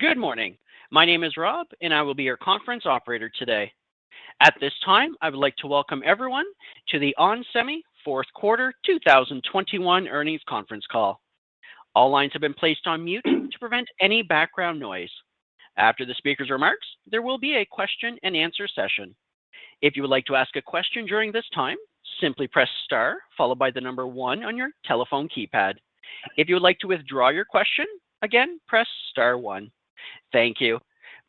Good morning. My name is Rob, and I will be your conference operator today. At this time, I would like to welcome everyone to the onsemi fourth quarter 2021 earnings conference call. All lines have been placed on mute to prevent any background noise. After the speaker's remarks, there will be a question-and-answer session. If you would like to ask a question during this time, simply press star followed by the number one on your telephone keypad. If you would like to withdraw your question, again, press star one. Thank you.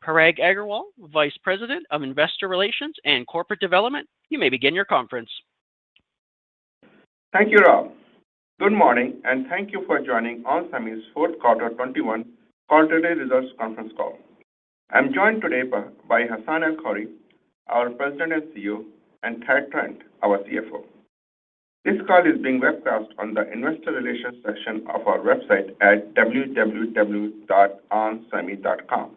Parag Agarwal, Vice President of Investor Relations and Corporate Development, you may begin your conference. Thank you, Rob. Good morning, and thank you for joining onsemi's fourth quarter 2021 quarterly results conference call. I'm joined today by Hassane El-Khoury, our President and CEO, and Thad Trent, our CFO. This call is being webcast on the investor relations section of our website at www.onsemi.com.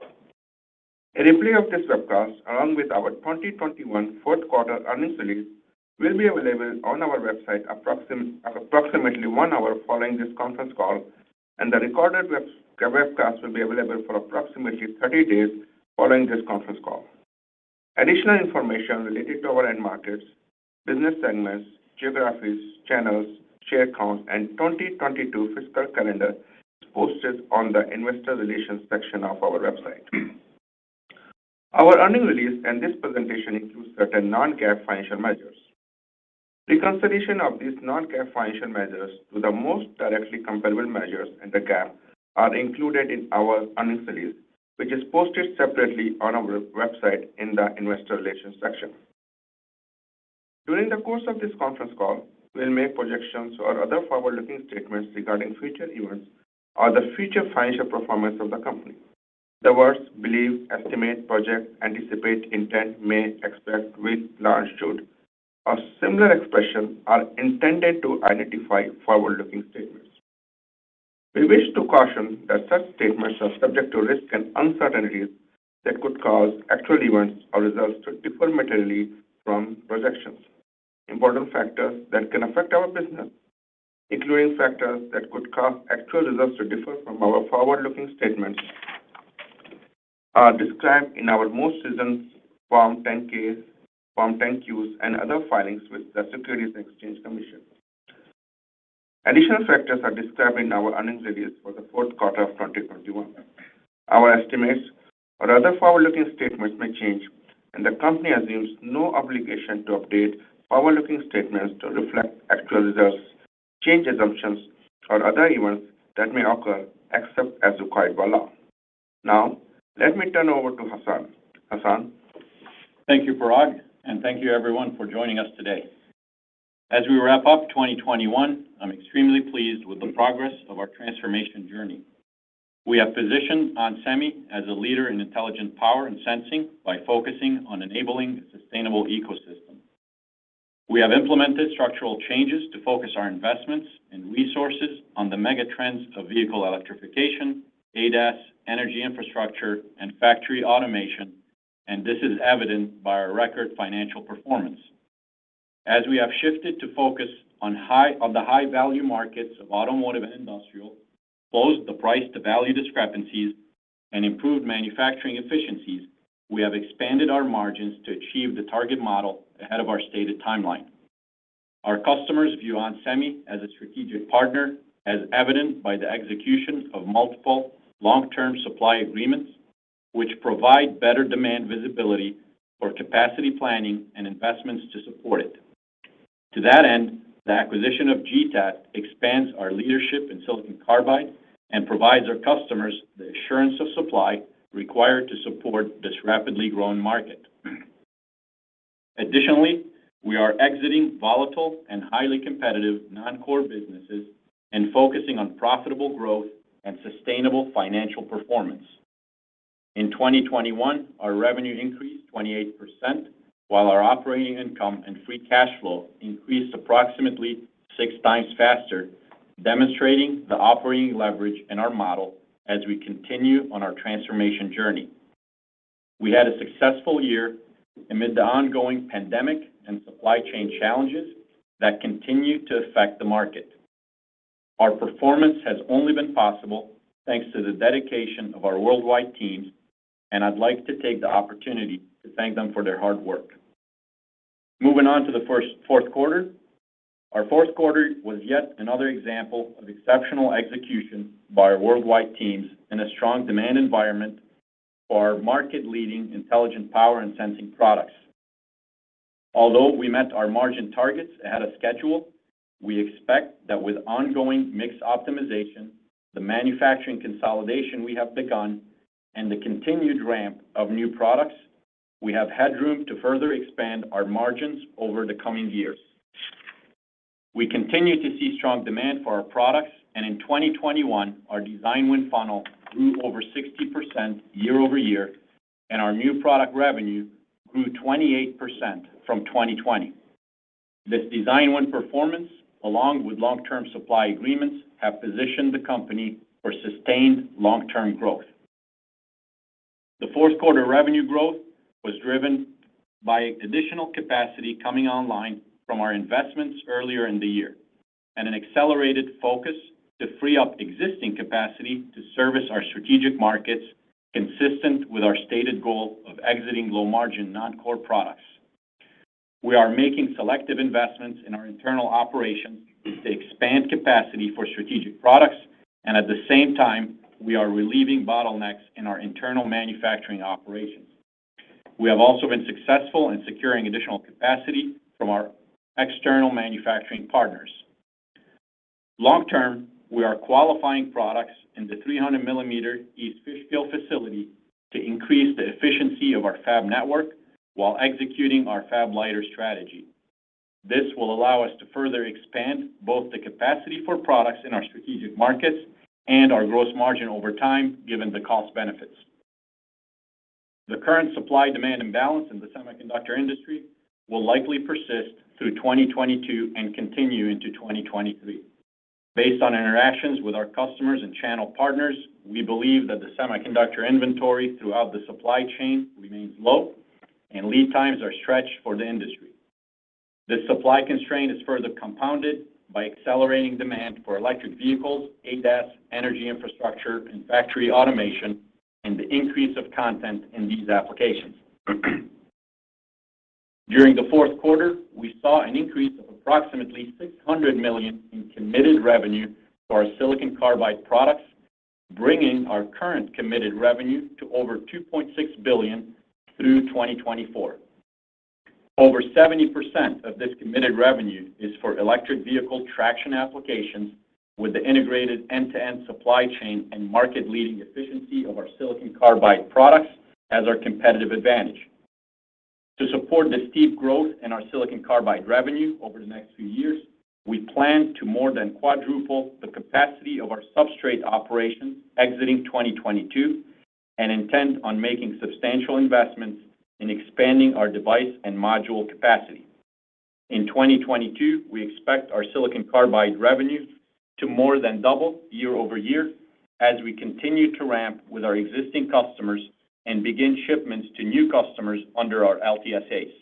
A replay of this webcast, along with our 2021 fourth quarter earnings release, will be available on our website approximately one hour following this conference call, and the recorded webcast will be available for approximately 30 days following this conference call. Additional information related to our end markets, business segments, geographies, channels, share count, and 2022 fiscal calendar is posted on the investor relations section of our website. Our earnings release and this presentation includes certain non-GAAP financial measures. Reconciliation of these non-GAAP financial measures to the most directly comparable measures in the GAAP are included in our earnings release, which is posted separately on our website in the investor relations section. During the course of this conference call, we'll make projections or other forward-looking statements regarding future events or the future financial performance of the company. The words believe, estimate, project, anticipate, intend, may, expect, will, are, and should, or similar expressions are intended to identify forward-looking statements. We wish to caution that such statements are subject to risks and uncertainties that could cause actual events or results to differ materially from projections. Important factors that can affect our business, including factors that could cause actual results to differ from our forward-looking statements, are described in our most recent Form 10-K, Form 10-Q, and other filing with Securities and Exchange Commission. Additional factors are described in our earnings release for the fourth quarter of 2021. Our estimates or other forward-looking statements may change, and the company assumes no obligation to update forward-looking statements to reflect actual results, change assumptions, or other events that may occur except as required by law. Now, let me turn over to Hassane. Hassane. Thank you, Parag, and thank you everyone for joining us today. As we wrap up 2021, I'm extremely pleased with the progress of our transformation journey. We have positioned onsemi as a leader in intelligent power and sensing by focusing on enabling a sustainable ecosystem. We have implemented structural changes to focus our investments and resources on the mega trends of vehicle electrification, ADAS, energy infrastructure, and factory automation, and this is evident by our record financial performance. As we have shifted to focus on the high-value markets of automotive and industrial, closed the price-to-value discrepancies, and improved manufacturing efficiencies, we have expanded our margins to achieve the target model ahead of our stated timeline. Our customers view onsemi as a strategic partner, as evidenced by the execution of multiple long-term supply agreements, which provide better demand visibility for capacity planning and investments to support it. To that end, the acquisition of GTAT expands our leadership in Silicon Carbide and provides our customers the assurance of supply required to support this rapidly growing market. Additionally, we are exiting volatile and highly competitive non-core businesses and focusing on profitable growth and sustainable financial performance. In 2021, our revenue increased 28%, while our operating income and free cash flow increased approximately 6 times faster, demonstrating the operating leverage in our model as we continue on our transformation journey. We had a successful year amid the ongoing pandemic and supply chain challenges that continue to affect the market. Our performance has only been possible thanks to the dedication of our worldwide teams, and I'd like to take the opportunity to thank them for their hard work. Moving on to the fourth quarter. Our fourth quarter was yet another example of exceptional execution by our worldwide teams in a strong demand environment for our market-leading intelligent power and sensing products. Although we met our margin targets ahead of schedule, we expect that with ongoing mix optimization, the manufacturing consolidation we have begun, and the continued ramp of new products, we have headroom to further expand our margins over the coming years. We continue to see strong demand for our products, and in 2021, our design win funnel grew over 60% year-over-year, and our new product revenue grew 28% from 2020. This design win performance, along with long-term supply agreements, have positioned the company for sustained long-term growth. The fourth quarter revenue growth was driven by additional capacity coming online from our investments earlier in the year and an accelerated focus to free up existing capacity to service our strategic markets, consistent with our stated goal of exiting low-margin non-core products. We are making selective investments in our internal operations to expand capacity for strategic products, and at the same time, we are relieving bottlenecks in our internal manufacturing operations. We have also been successful in securing additional capacity from our external manufacturing partners. Long-term, we are qualifying products in the 300-millimeter East Fishkill facility to increase the efficiency of our fab network while executing our fab-lighter strategy. This will allow us to further expand both the capacity for products in our strategic markets and our gross margin over time, given the cost benefits. The current supply-demand imbalance in the semiconductor industry will likely persist through 2022 and continue into 2023. Based on interactions with our customers and channel partners, we believe that the semiconductor inventory throughout the supply chain remains low, and lead times are stretched for the industry. This supply constraint is further compounded by accelerating demand for electric vehicles, ADAS, energy infrastructure, and factory automation, and the increase of content in these applications. During the fourth quarter, we saw an increase of approximately $600 million in committed revenue to our Silicon Carbide products, bringing our current committed revenue to over $2.6 billion through 2024. Over 70% of this committed revenue is for electric vehicle traction applications with the integrated end-to-end supply chain and market-leading efficiency of our Silicon Carbide products as our competitive advantage. To support the steep growth in our Silicon Carbide revenue over the next few years, we plan to more than quadruple the capacity of our substrate operations exiting 2022 and intend on making substantial investments in expanding our device and module capacity. In 2022, we expect our Silicon Carbide revenue to more than double year-over-year as we continue to ramp with our existing customers and begin shipments to new customers under our LTSAs.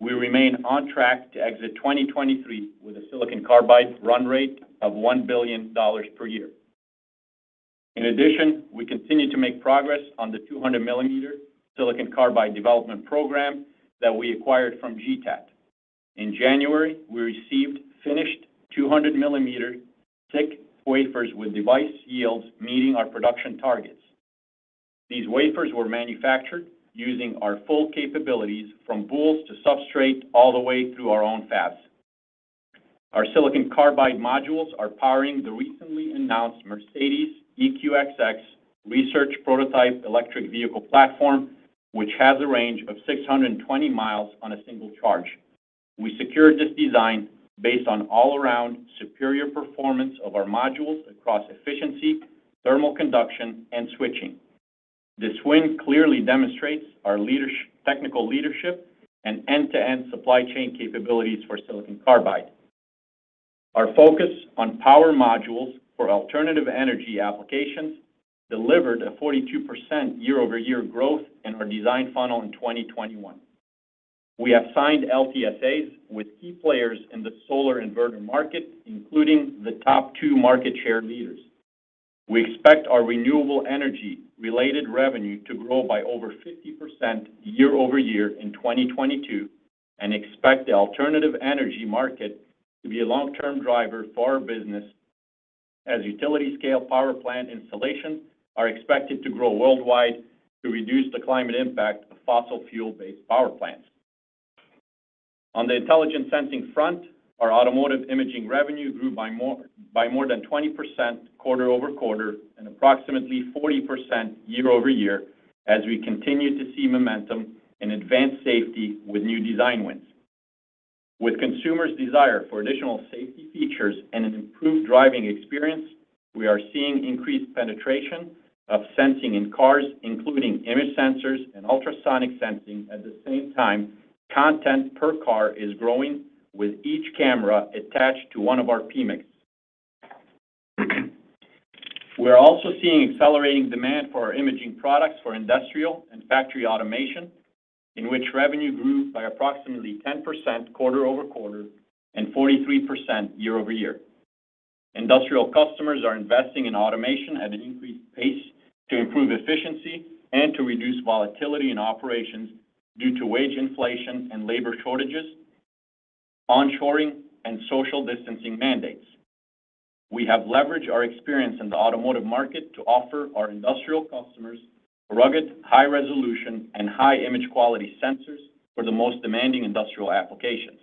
We remain on track to exit 2023 with a Silicon Carbide run rate of $1 billion per year. In addition, we continue to make progress on the 200 millimeter Silicon Carbide development program that we acquired from GTAT. In January, we received finished 200-millimeter-thick wafers with device yields meeting our production targets. These wafers were manufactured using our full capabilities from boules to substrate all the way through our own fabs. Our Silicon Carbide modules are powering the recently announced Mercedes-Benz VISION EQXX research prototype electric vehicle platform, which has a range of 620 miles on a single charge. We secured this design based on all-around superior performance of our modules across efficiency, thermal conduction, and switching. This win clearly demonstrates our technical leadership and end-to-end supply chain capabilities for Silicon Carbide. Our focus on power modules for alternative energy applications delivered a 42% year-over-year growth in our design funnel in 2021. We have signed LTSAs with key players in the solar inverter market, including the top two market share leaders. We expect our renewable energy related revenue to grow by over 50% year-over-year in 2022, and expect the alternative energy market to be a long-term driver for our business as utility scale power plant installation are expected to grow worldwide to reduce the climate impact of fossil fuel-based power plants. On the intelligent sensing front, our automotive imaging revenue grew by more than 20% quarter-over-quarter and approximately 40% year-over-year as we continue to see momentum in advanced safety with new design wins. With consumers' desire for additional safety features and an improved driving experience, we are seeing increased penetration of sensing in cars, including image sensors and ultrasonic sensing. At the same time, content per car is growing with each camera attached to one of our PMICs. We're also seeing accelerating demand for our imaging products for industrial and factory automation, in which revenue grew by approximately 10% quarter-over-quarter and 43% year-over-year. Industrial customers are investing in automation at an increased pace to improve efficiency and to reduce volatility in operations due to wage inflation and labor shortages, on-shoring, and social distancing mandates. We have leveraged our experience in the automotive market to offer our industrial customers rugged, high-resolution, and high image quality sensors for the most demanding industrial applications.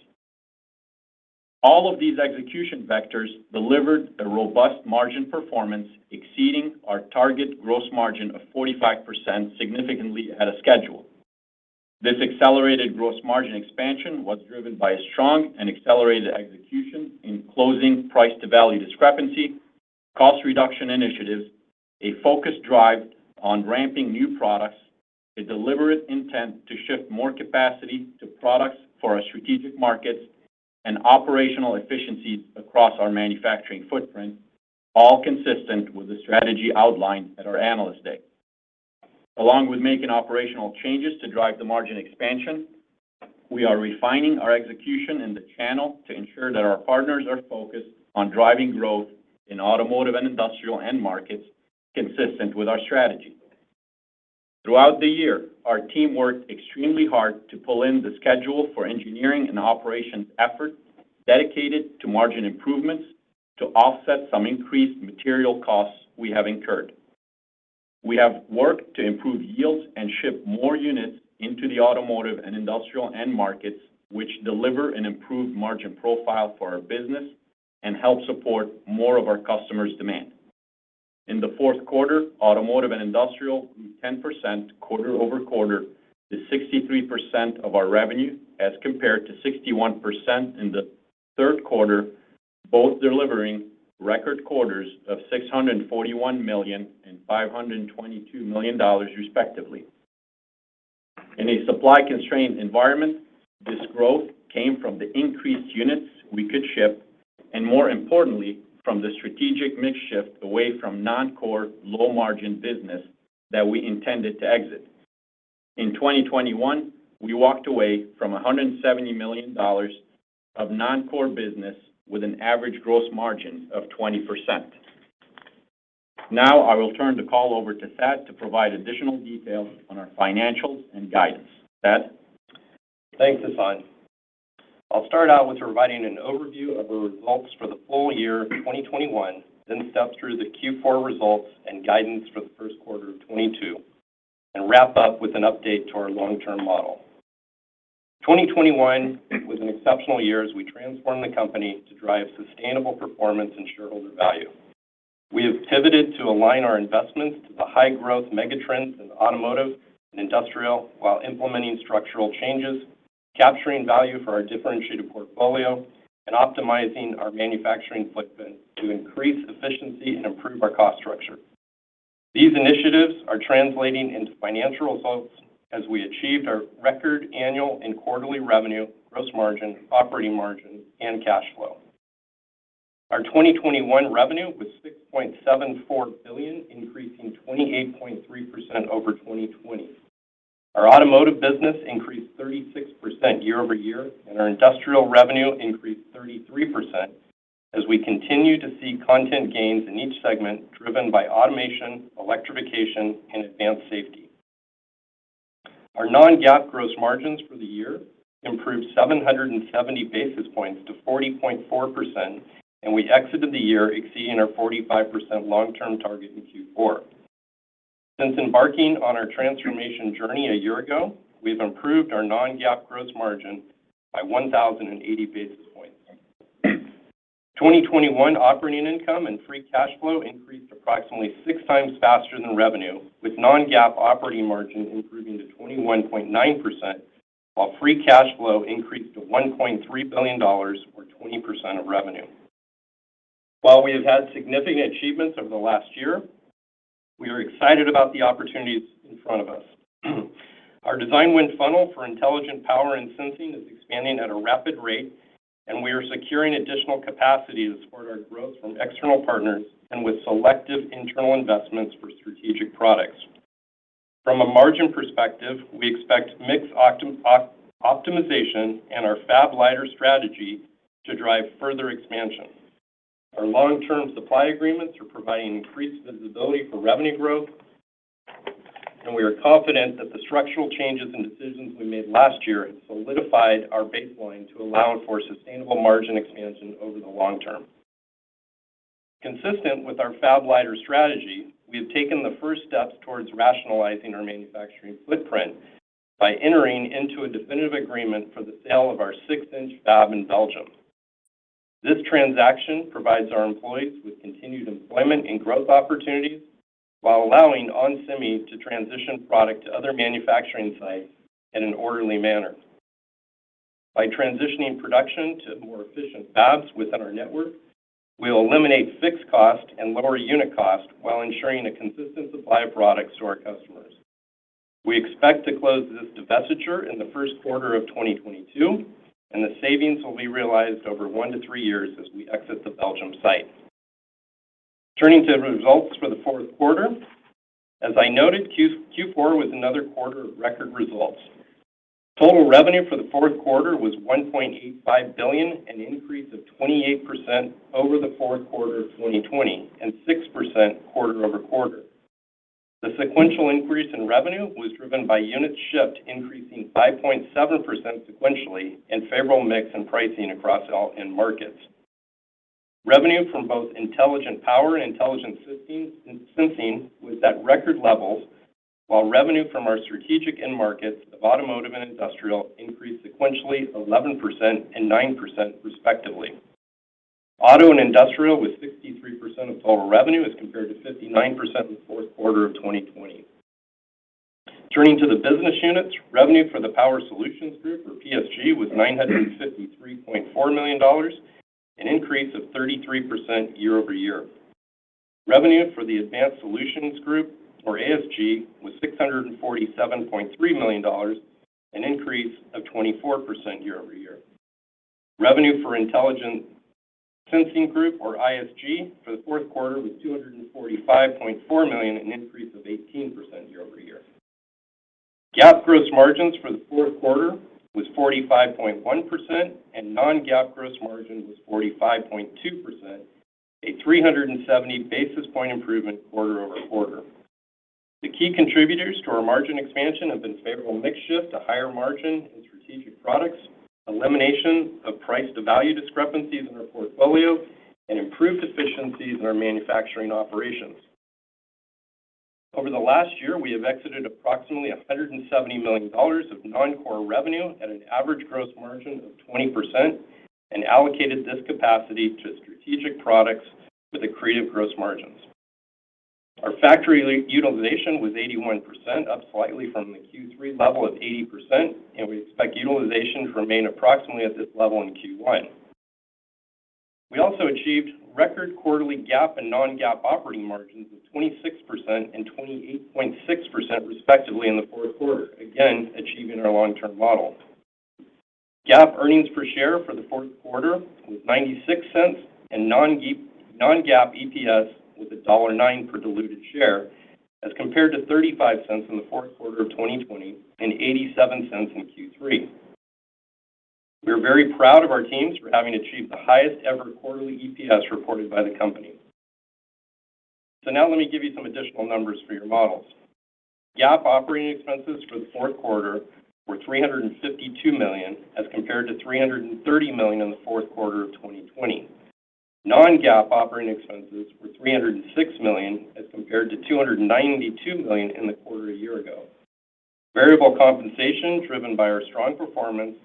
All of these execution vectors delivered a robust margin performance exceeding our target gross margin of 45% significantly ahead of schedule. This accelerated gross margin expansion was driven by a strong and accelerated execution in closing price to value discrepancy, cost reduction initiatives, a focused drive on ramping new products, a deliberate intent to shift more capacity to products for our strategic markets and operational efficiencies across our manufacturing footprint, all consistent with the strategy outlined at our Analyst Day. Along with making operational changes to drive the margin expansion, we are refining our execution in the channel to ensure that our partners are focused on driving growth in automotive and industrial end markets consistent with our strategy. Throughout the year, our team worked extremely hard to pull in the schedule for engineering and operations effort dedicated to margin improvements to offset some increased material costs we have incurred. We have worked to improve yields and ship more units into the automotive and industrial end markets, which deliver an improved margin profile for our business and help support more of our customers' demand. In the fourth quarter, automotive and industrial grew 10% quarter-over-quarter to 63% of our revenue as compared to 61% in the third quarter, both delivering record quarters of $641 million and $522 million respectively. In a supply-constrained environment, this growth came from the increased units we could ship, and more importantly, from the strategic mix shift away from non-core low-margin business that we intended to exit. In 2021, we walked away from $170 million of non-core business with an average gross margin of 20%. Now, I will turn the call over to Thad to provide additional details on our financials and guidance. Thad? Thanks, Hassane. I'll start out with providing an overview of the results for the full year of 2021, then step through the Q4 results and guidance for the first quarter of 2022, and wrap up with an update to our long-term model. 2021 was an exceptional year as we transformed the company to drive sustainable performance and shareholder value. We have pivoted to align our investments to the high-growth megatrends in automotive and industrial while implementing structural changes, capturing value for our differentiated portfolio, and optimizing our manufacturing footprint to increase efficiency and improve our cost structure. These initiatives are translating into financial results as we achieved our record annual and quarterly revenue, gross margin, operating margin, and cash flow. Our 2021 revenue was $6.74 billion, increasing 28.3% over 2020. Our automotive business increased 36% year-over-year, and our industrial revenue increased 33% as we continue to see content gains in each segment driven by automation, electrification, and advanced safety. Our non-GAAP gross margins for the year improved 770 basis points to 40.4%, and we exited the year exceeding our 45% long-term target in Q4. Since embarking on our transformation journey a year ago, we've improved our non-GAAP gross margin by 1,080 basis points. 2021 operating income and free cash flow increased approximately 6x faster than revenue, with non-GAAP operating margin improving to 21.9%, while free cash flow increased to $1.3 billion or 20% of revenue. While we have had significant achievements over the last year, we are excited about the opportunities in front of us. Our design win funnel for intelligent power and sensing is expanding at a rapid rate, and we are securing additional capacity to support our growth from external partners and with selective internal investments for strategic products. From a margin perspective, we expect mix optimization and our fab-lighter strategy to drive further expansion. Our long-term supply agreements are providing increased visibility for revenue growth, and we are confident that the structural changes and decisions we made last year have solidified our baseline to allow for sustainable margin expansion over the long term. Consistent with our fab-lighter strategy, we have taken the first steps towards rationalizing our manufacturing footprint by entering into a definitive agreement for the sale of our six-inch fab in Belgium. This transaction provides our employees with continued employment and growth opportunities while allowing onsemi to transition product to other manufacturing sites in an orderly manner. By transitioning production to more efficient fabs within our network, we will eliminate fixed cost and lower unit cost while ensuring a consistent supply of products to our customers. We expect to close this divestiture in the first quarter of 2022, and the savings will be realized over 1-3 years as we exit the Belgium site. Turning to results for the fourth quarter, as I noted, Q4 was another quarter of record results. Total revenue for the fourth quarter was $1.85 billion, an increase of 28% over the fourth quarter of 2020 and 6% quarter-over-quarter. The sequential increase in revenue was driven by units shipped, increasing 5.7% sequentially and favorable mix in pricing across all end markets. Revenue from both intelligent power and intelligent sensing was at record levels, while revenue from our strategic end markets of automotive and industrial increased sequentially 11% and 9% respectively. Auto and industrial was 63% of total revenue as compared to 59% in the fourth quarter of 2020. Turning to the business units, revenue for the Power Solutions Group, or PSG, was $953.4 million, an increase of 33% year-over-year. Revenue for the Advanced Solutions Group, or ASG, was $647.3 million, an increase of 24% year-over-year. Revenue for Intelligent Sensing Group, or ISG, for the fourth quarter was $245.4 million, an increase of 18% year-over-year. GAAP gross margins for the fourth quarter was 45.1% and non-GAAP gross margin was 45.2%, a 370 basis point improvement quarter-over-quarter. The key contributors to our margin expansion have been favorable mix shift to higher margin and strategic products, elimination of price to value discrepancies in our portfolio and improved efficiencies in our manufacturing operations. Over the last year, we have exited approximately $170 million of non-core revenue at an average gross margin of 20% and allocated this capacity to strategic products with accretive gross margins. Our factory utilization was 81%, up slightly from the Q3 level of 80%, and we expect utilization to remain approximately at this level in Q1. We also achieved record quarterly GAAP and non-GAAP operating margins of 26% and 28.6% respectively in the fourth quarter, again, achieving our long-term model. GAAP earnings per share for the fourth quarter was $0.96 and non-GAAP EPS was $1.09 for diluted share as compared to $0.35 in the fourth quarter of 2020 and $0.87 in Q3. We are very proud of our teams for having achieved the highest ever quarterly EPS reported by the company. Now let me give you some additional numbers for your models. GAAP operating expenses for the fourth quarter were $352 million as compared to $330 million in the fourth quarter of 2020. Non-GAAP operating expenses were $306 million as compared to $292 million in the quarter a year ago. Variable compensation driven by our strong performance,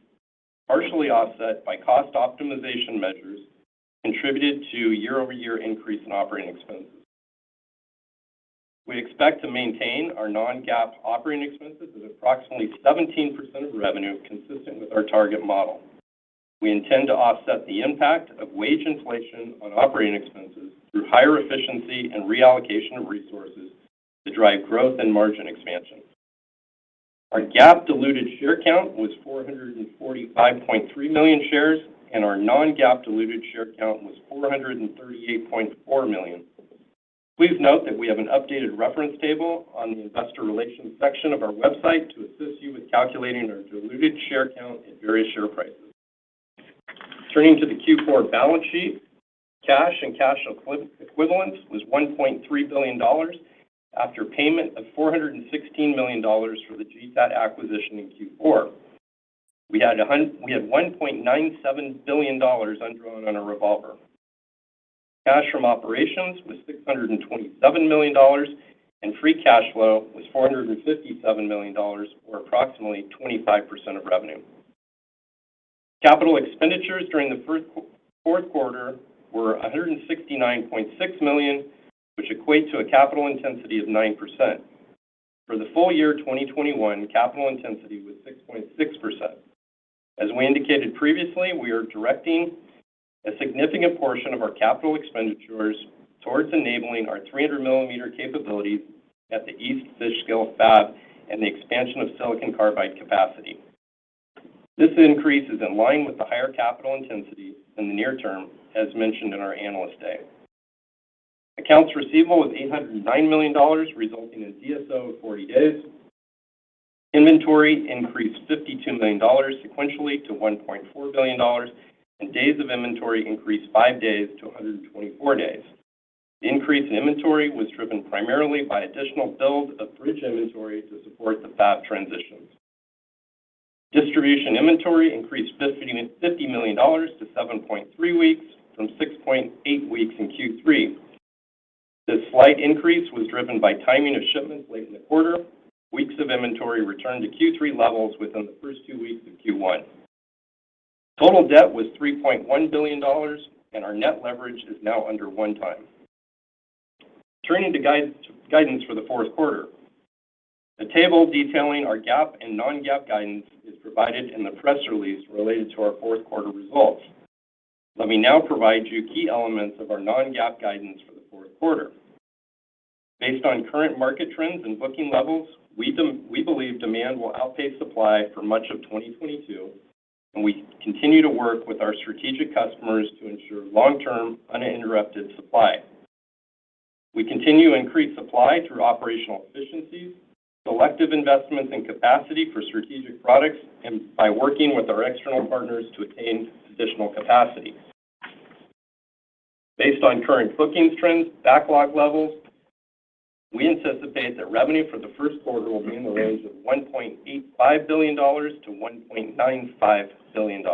partially offset by cost optimization measures, contributed to year-over-year increase in operating expenses. We expect to maintain our non-GAAP operating expenses at approximately 17% of revenue, consistent with our target model. We intend to offset the impact of wage inflation on operating expenses through higher efficiency and reallocation of resources to drive growth and margin expansion. Our GAAP diluted share count was 445.3 million shares, and our non-GAAP diluted share count was 438.4 million. Please note that we have an updated reference table on the investor relations section of our website to assist you with calculating our diluted share count at various share prices. Turning to the Q4 balance sheet, cash and cash equivalents was $1.3 billion after payment of $416 million for the GTAT acquisition in Q4. We had $1.97 billion undrawn on our revolver. Cash from operations was $627 million, and free cash flow was $457 million, or approximately 25% of revenue. Capital expenditures during the fourth quarter were $169.6 million, which equates to a capital intensity of 9%. For the full year, 2021, capital intensity was 6.6%. We are directing a significant portion of our capital expenditures towards enabling our 300-millimeter capabilities at the East Fishkill fab and the expansion of Silicon Carbide capacity. This increase is in line with the higher capital intensity in the near term, as mentioned in our Analyst Day. Accounts receivable was $809 million, resulting in DSO of 40 days. Inventory increased $52 million sequentially to $1.4 billion, and days of inventory increased five days to 124 days. The increase in inventory was driven primarily by additional build of bridge inventory to support the fab transitions. Distribution inventory increased $50 million to 7.3 weeks from 6.8 weeks in Q3. This slight increase was driven by timing of shipments late in the quarter. Weeks of inventory returned to Q3 levels within the first two weeks of Q1. Total debt was $3.1 billion, and our net leverage is now under 1x. Turning to guidance for the fourth quarter. The table detailing our GAAP and non-GAAP guidance is provided in the press release related to our fourth quarter results. Let me now provide you key elements of our non-GAAP guidance for the fourth quarter. Based on current market trends and booking levels, we believe demand will outpace supply for much of 2022, and we continue to work with our strategic customers to ensure long-term, uninterrupted supply. We continue to increase supply through operational efficiencies, selective investments in capacity for strategic products, and by working with our external partners to attain additional capacity. Based on current booking trends, backlog levels, we anticipate that revenue for the first quarter will be in the range of $1.85 billion-$1.95 billion.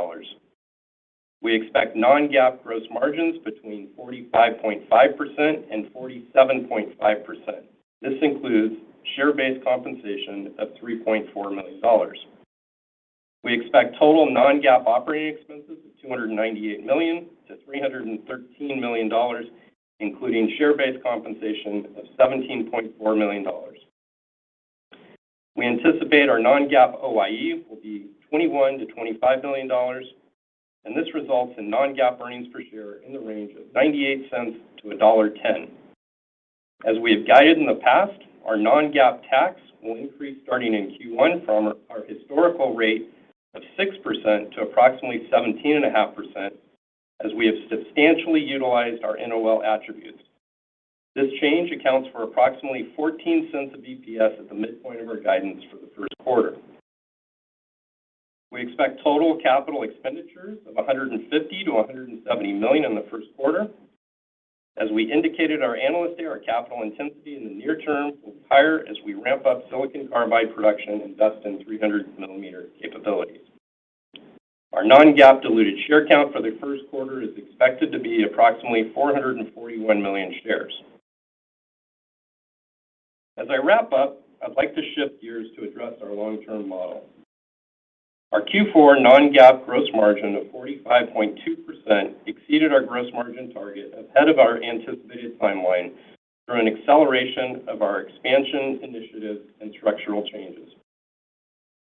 We expect non-GAAP gross margins between 45.5%-47.5%. This includes share-based compensation of $3.4 million. We expect total non-GAAP operating expenses of $298 million-$313 million, including share-based compensation of $17.4 million. We anticipate our non-GAAP OIE will be $21 million-$25 million, and this results in non-GAAP earnings per share in the range of $0.98-$1.10. As we have guided in the past, our non-GAAP tax will increase starting in Q1 from our historical rate of 6% to approximately 17.5% as we have substantially utilized our NOL attributes. This change accounts for approximately $0.4 of EPS at the midpoint of our guidance for the first quarter. We expect total capital expenditures of $150 million-$170 million in the first quarter. As we indicated in our analyst day, our capital intensity in the near term was higher as we ramp up silicon carbide production and invest in 300 millimeter capabilities. Our non-GAAP diluted share count for the first quarter is expected to be approximately 441 million shares. As I wrap up, I'd like to shift gears to address our long-term model. Our Q4 non-GAAP gross margin of 45.2% exceeded our gross margin target ahead of our anticipated timeline through an acceleration of our expansion initiatives and structural changes.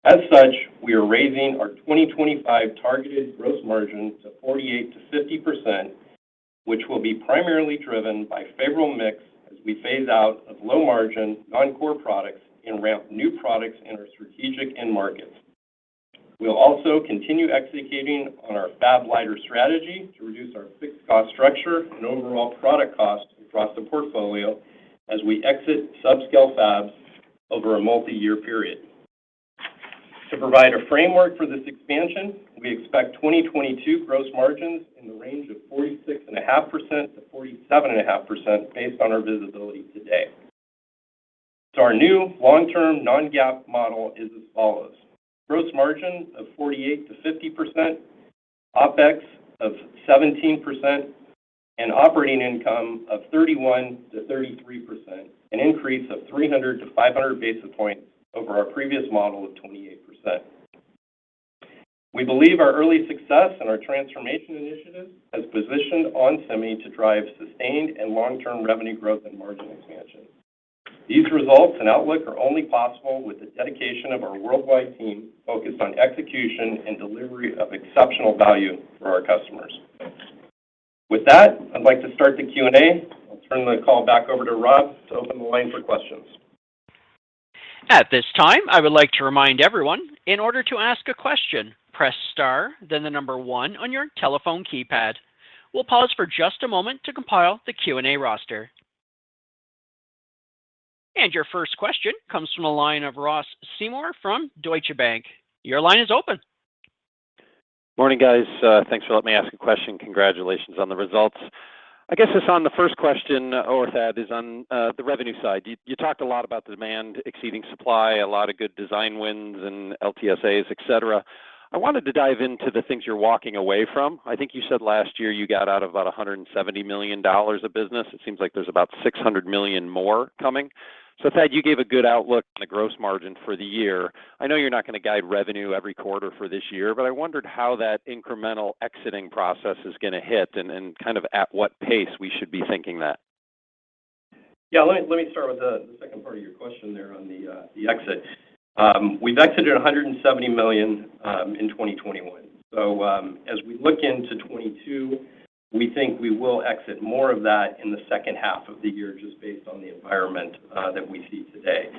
As such, we are raising our 2025 targeted gross margin to 48%-50%, which will be primarily driven by favorable mix as we phase out of low margin non-core products and ramp new products in our strategic end markets. We'll also continue executing on our fab-lighter strategy to reduce our fixed cost structure and overall product costs across the portfolio as we exit subscale fabs over a multi-year period. To provide a framework for this expansion, we expect 2022 gross margins in the range of 46.5%-47.5% based on our visibility today. Our new long-term non-GAAP model is as follows. Gross margin of 48%-50%, OpEx of 17%, and operating income of 31%-33%, an increase of 300-500 basis points over our previous model of 28%. We believe our early success in our transformation initiative has positioned onsemi to drive sustained and long-term revenue growth and margin expansion. These results and outlook are only possible with the dedication of our worldwide team focused on execution and delivery of exceptional value for our customers. With that, I'd like to start the Q and A. I'll turn the call back over to Rob to open the line for questions. At this time, I would like to remind everyone in order to ask a question, press star then 1 on your telephone keypad. We'll pause for just a moment to compile the Q and A roster. Your first question comes from the line of Ross Seymore from Deutsche Bank. Your line is open. Morning, guys. Thanks for letting me ask a question. Congratulations on the results. I guess, Hassane, the first question, or Thad, is on the revenue side. You talked a lot about demand exceeding supply, a lot of good design wins and LTSAs, et cetera. I wanted to dive into the things you're walking away from. I think you said last year you got out of about $170 million of business. It seems like there's about $600 million more coming. Thad, you gave a good outlook on the gross margin for the year. I know you're not gonna guide revenue every quarter for this year, but I wondered how that incremental exiting process is gonna hit and kind of at what pace we should be thinking that. Yeah. Let me start with the second part of your question there on the exit. We've exited $170 million in 2021. As we look into 2022, we think we will exit more of that in the second half of the year just based on the environment that we see today.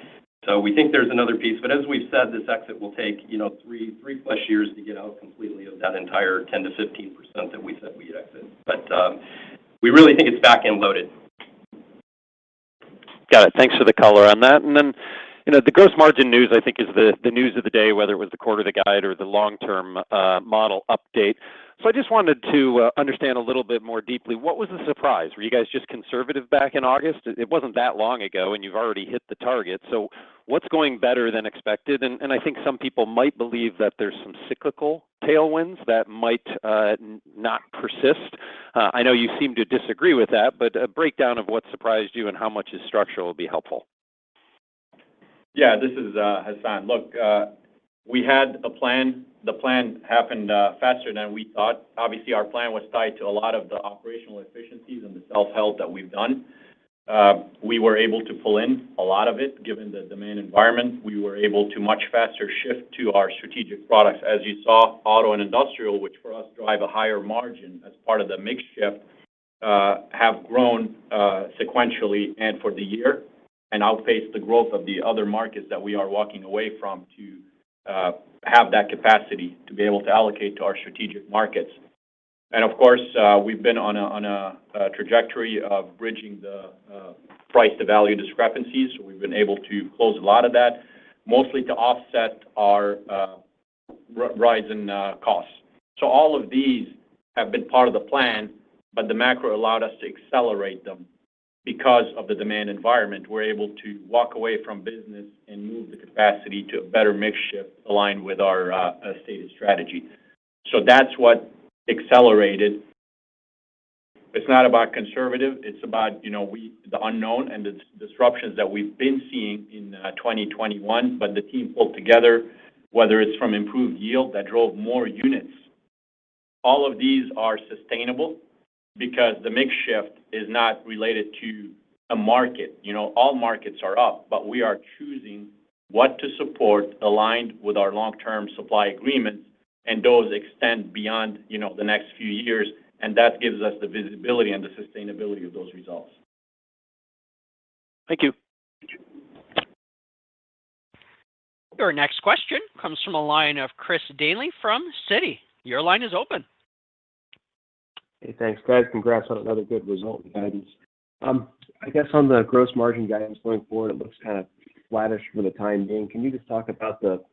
We think there's another piece, but as we've said, this exit will take, you know, three-plus years to get out completely of that entire 10%-15% that we said we'd exit. We really think it's back-end loaded. Got it. Thanks for the color on that. You know, the gross margin news, I think is the news of the day, whether it was the quarter, the guide or the long-term model update. I just wanted to understand a little bit more deeply what was the surprise? Were you guys just conservative back in August? It wasn't that long ago, and you've already hit the target. What's going better than expected? I think some people might believe that there's some cyclical tailwinds that might not persist. I know you seem to disagree with that, but a breakdown of what surprised you and how much is structural would be helpful. Yeah. This is Hassane. Look, we had a plan. The plan happened faster than we thought. Obviously, our plan was tied to a lot of the operational efficiencies and the self-help that we've done. We were able to pull in a lot of it. Given the demand environment, we were able to much faster shift to our strategic products. As you saw, auto and industrial, which for us drive a higher margin as part of the mix shift, have grown sequentially and for the year and outpaced the growth of the other markets that we are walking away from to have that capacity to be able to allocate to our strategic markets. Of course, we've been on a trajectory of bridging the price to value discrepancies. We've been able to close a lot of that, mostly to offset our rise in costs. All of these have been part of the plan, but the macro allowed us to accelerate them. Because of the demand environment, we're able to walk away from business and move the capacity to a better mix shift aligned with our stated strategy. That's what accelerated. It's not about conservative, it's about the unknown and the disruptions that we've been seeing in 2021. The team pulled together, whether it's from improved yield that drove more units. All of these are sustainable because the mix shift is not related to a market. You know, all markets are up, but we are choosing what to support aligned with our long-term supply agreements, and those extend beyond, you know, the next few years, and that gives us the visibility and the sustainability of those results. Thank you. Your next question comes from a line of Chris Danely from Citi. Your line is open. Hey, thanks guys. Congrats on another good result in guidance. I guess on the gross margin guidance going forward, it looks kind of flattish for the time being. Can you just talk about the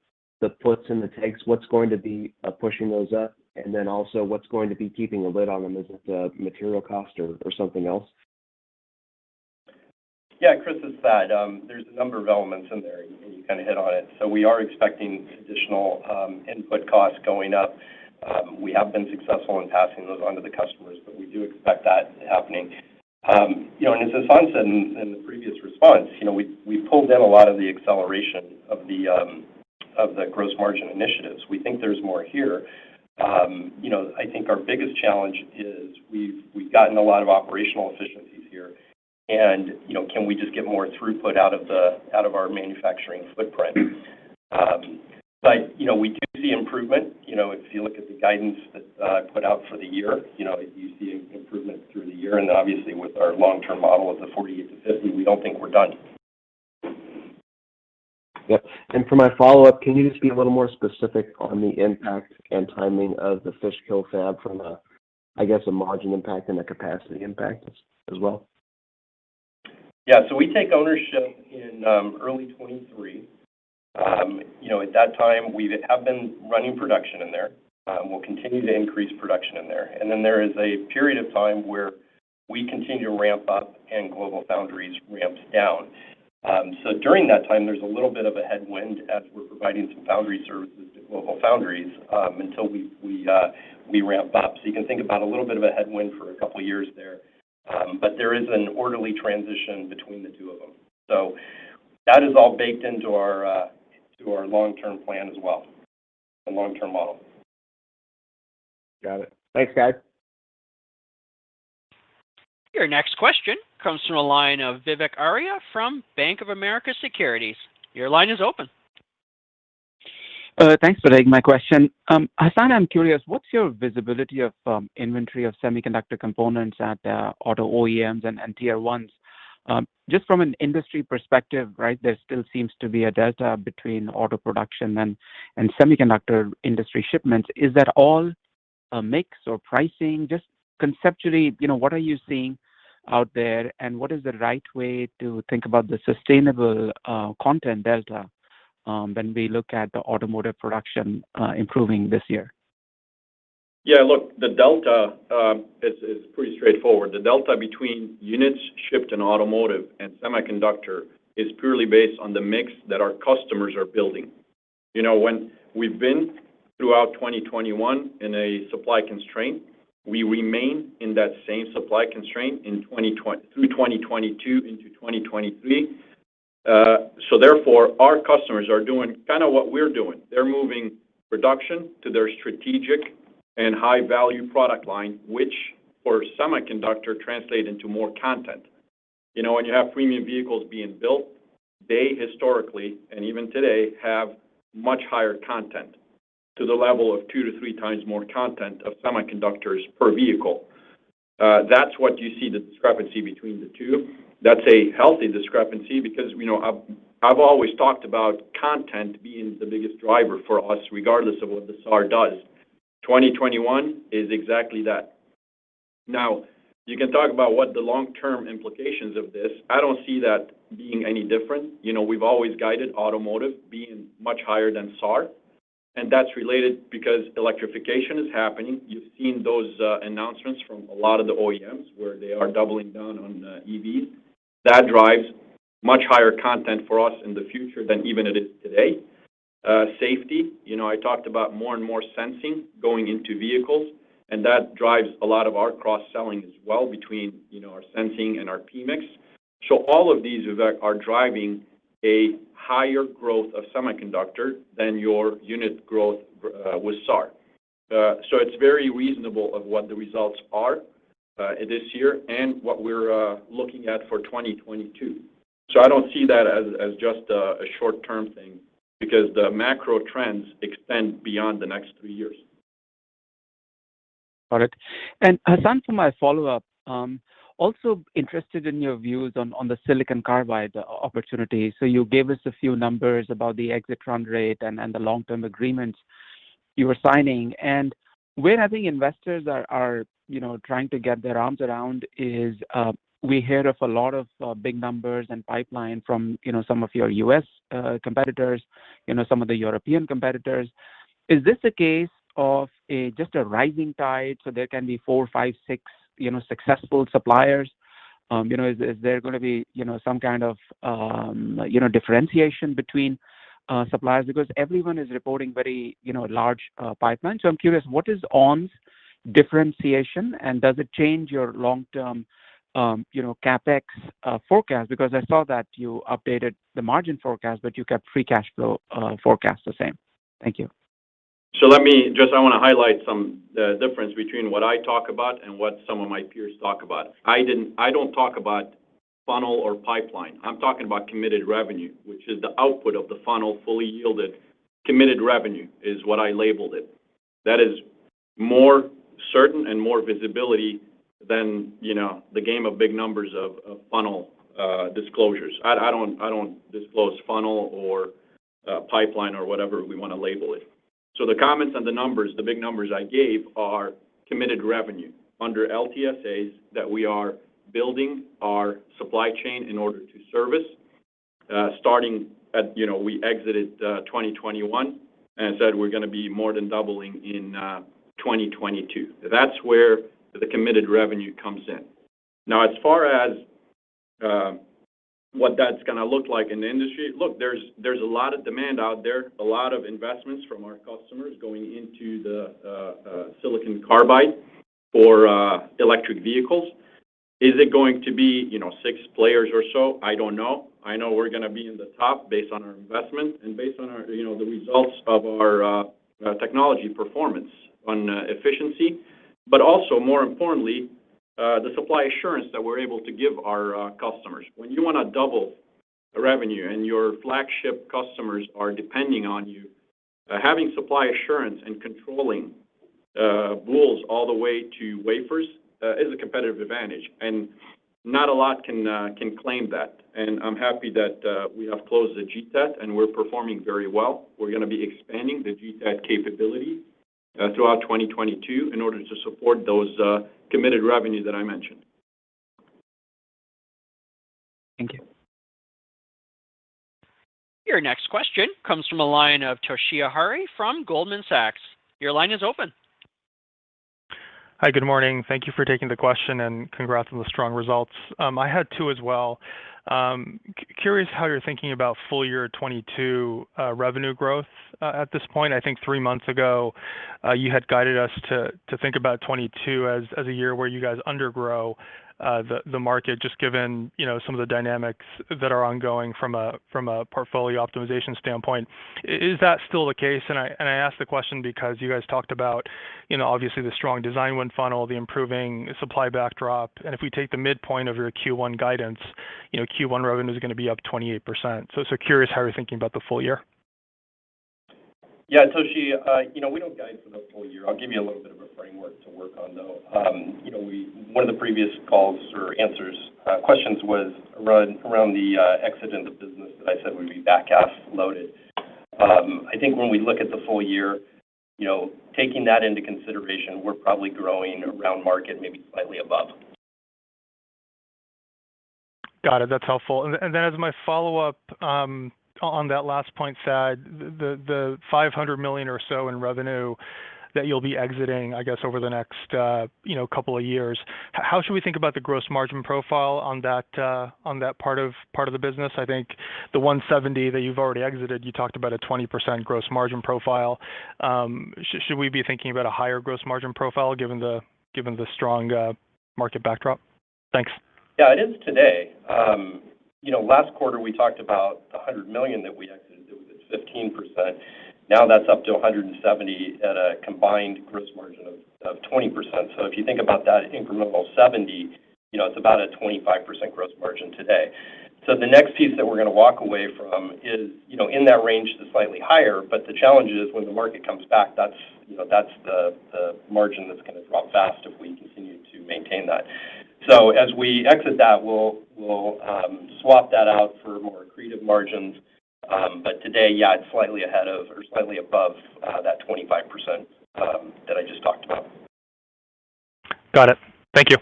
puts and the takes, what's going to be pushing those up, and then also what's going to be keeping a lid on them? Is it the material cost or something else? Yeah, Chris, as said, there's a number of elements in there, and you kind of hit on it. We are expecting additional input costs going up. We have been successful in passing those on to the customers, but we do expect that happening. You know, as Hassane said in the previous response, you know, we pulled in a lot of the acceleration of the gross margin initiatives. We think there's more here. You know, I think our biggest challenge is we've gotten a lot of operational efficiencies here and, you know, can we just get more throughput out of our manufacturing footprint? You know, we do see improvement. You know, if you look at the guidance that I put out for the year, you know, you see improvement through the year, and obviously with our long-term model of the 48-50, we don't think we're done. Yeah. For my follow-up, can you just be a little more specific on the impact and timing of the Fishkill fab from a, I guess, a margin impact and a capacity impact as well? Yeah. We take ownership in early 2023. You know, at that time we have been running production in there, we'll continue to increase production in there. Then there is a period of time where we continue to ramp up and GlobalFoundries ramps down. During that time, there's a little bit of a headwind as we're providing some foundry services to GlobalFoundries, until we ramp up. You can think about a little bit of a headwind for a couple of years there. There is an orderly transition between the two of them. That is all baked into our long-term plan as well, the long-term model. Got it. Thanks guys. Your next question comes from a line of Vivek Arya from Bank of America Securities. Your line is open. Thanks for taking my question. Hassane, I'm curious, what's your visibility of inventory of semiconductor components at auto OEMs and Tier 1s? Just from an industry perspective, right? There still seems to be a delta between auto production and semiconductor industry shipments. Is that all mix or pricing? Just conceptually, you know, what are you seeing out there, and what is the right way to think about the sustainable content delta when we look at the automotive production improving this year? Yeah, look, the delta is pretty straightforward. The delta between units shipped in automotive and semiconductor is purely based on the mix that our customers are building. You know, when we've been throughout 2021 in a supply constraint, we remain in that same supply constraint through 2022 into 2023. Therefore, our customers are doing kind of what we're doing. They're moving production to their strategic and high-value product line, which for semiconductor translate into more content. You know, when you have premium vehicles being built, they historically, and even today, have much higher content to the level of 2-3 times more content of semiconductors per vehicle. That's what you see the discrepancy between the two. That's a healthy discrepancy because we know I've always talked about content being the biggest driver for us, regardless of what the SAR does. 2021 is exactly that. Now, you can talk about what the long-term implications of this. I don't see that being any different. You know, we've always guided automotive being much higher than SAR, and that's related because electrification is happening. You've seen those announcements from a lot of the OEMs where they are doubling down on EVs. That drives much higher content for us in the future than even it is today. Safety, you know, I talked about more and more sensing going into vehicles, and that drives a lot of our cross-selling as well between, you know, our sensing and our PMIC. All of these, Vivek, are driving a higher growth of semiconductor than your unit growth with SAR. It's very reasonable of what the results are this year and what we're looking at for 2022. I don't see that as just a short-term thing because the macro trends extend beyond the next three years. Got it. Hassane, for my follow-up, also interested in your views on the Silicon Carbide opportunity. You gave us a few numbers about the exit run rate and the long-term agreements you were signing. Where I think investors are, you know, trying to get their arms around is, we hear of a lot of big numbers and pipeline from, you know, some of your U.S. competitors, you know, some of the European competitors. Is this a case of just a rising tide, so there can be 4, 5, 6, you know, successful suppliers? You know, is there gonna be, you know, some kind of, you know, differentiation between suppliers? Because everyone is reporting very, you know, large pipelines. I'm curious, what is ON's differentiation, and does it change your long-term, you know, CapEx forecast? Because I saw that you updated the margin forecast, but you kept free cash flow forecast the same. Thank you. I want to highlight some of the difference between what I talk about and what some of my peers talk about. I don't talk about funnel or pipeline. I'm talking about committed revenue, which is the output of the funnel fully yielded. Committed revenue is what I labeled it. That is more certain and more visibility than, you know, the game of big numbers of funnel disclosures. I don't disclose funnel or pipeline or whatever we want to label it. The comments on the numbers, the big numbers I gave are committed revenue under LTSAs that we are building our supply chain in order to service, starting at, you know, we exited 2021, and said we're gonna be more than doubling in 2022. That's where the committed revenue comes in. Now, as far as what that's gonna look like in the industry, look, there's a lot of demand out there, a lot of investments from our customers going into the Silicon Carbide for electric vehicles. Is it going to be, you know, six players or so? I don't know. I know we're gonna be in the top based on our investment and based on our, you know, the results of our technology performance on efficiency, but also more importantly, the supply assurance that we're able to give our customers. When you wanna double revenue and your flagship customers are depending on you, having supply assurance and controlling rules all the way to wafers is a competitive advantage, and not a lot can claim that. I'm happy that we have closed the GTAT, and we're performing very well. We're gonna be expanding the GTAT capability throughout 2022 in order to support those committed revenue that I mentioned. Thank you. Your next question comes from a line of Toshiya Hari from Goldman Sachs. Your line is open. Hi. Good morning. Thank you for taking the question, and congrats on the strong results. I had two as well. Curious how you're thinking about full year 2022 revenue growth at this point. I think three months ago you had guided us to think about 2022 as a year where you guys undergrow the market just given you know some of the dynamics that are ongoing from a portfolio optimization standpoint. Is that still the case? And I ask the question because you guys talked about you know obviously the strong design win funnel, the improving supply backdrop, and if we take the midpoint of your Q1 guidance you know Q1 revenue is gonna be up 28%. Curious how you're thinking about the full year. Yeah, Toshi, you know, we don't guide for the full year. I'll give you a little bit of a framework to work on, though. One of the previous calls or answers to questions was around the exit of the business that I said would be back half loaded. I think when we look at the full year, you know, taking that into consideration, we're probably growing around market, maybe slightly above. Got it. That's helpful. As my follow-up, on that last point, Thad Trent, the $500 million or so in revenue that you'll be exiting, I guess, over the next, you know, couple of years, how should we think about the gross margin profile on that, on that part of the business? I think the $170 million that you've already exited, you talked about a 20% gross margin profile. Should we be thinking about a higher gross margin profile given the strong market backdrop? Thanks. Yeah, it is today. You know, last quarter, we talked about the $100 million that we exited. It was at 15%. Now that's up to $170 million at a combined gross margin of 20%. If you think about that incremental $70 million, you know, it's about a 25% gross margin today. The next piece that we're gonna walk away from is, you know, in that range to slightly higher, but the challenge is when the market comes back, that's, you know, that's the margin that's gonna drop fast if we continue to maintain that. As we exit that, we'll swap that out for more accretive margins. Today, yeah, it's slightly ahead of or slightly above that 25% that I just talked about. Got it. Thank you.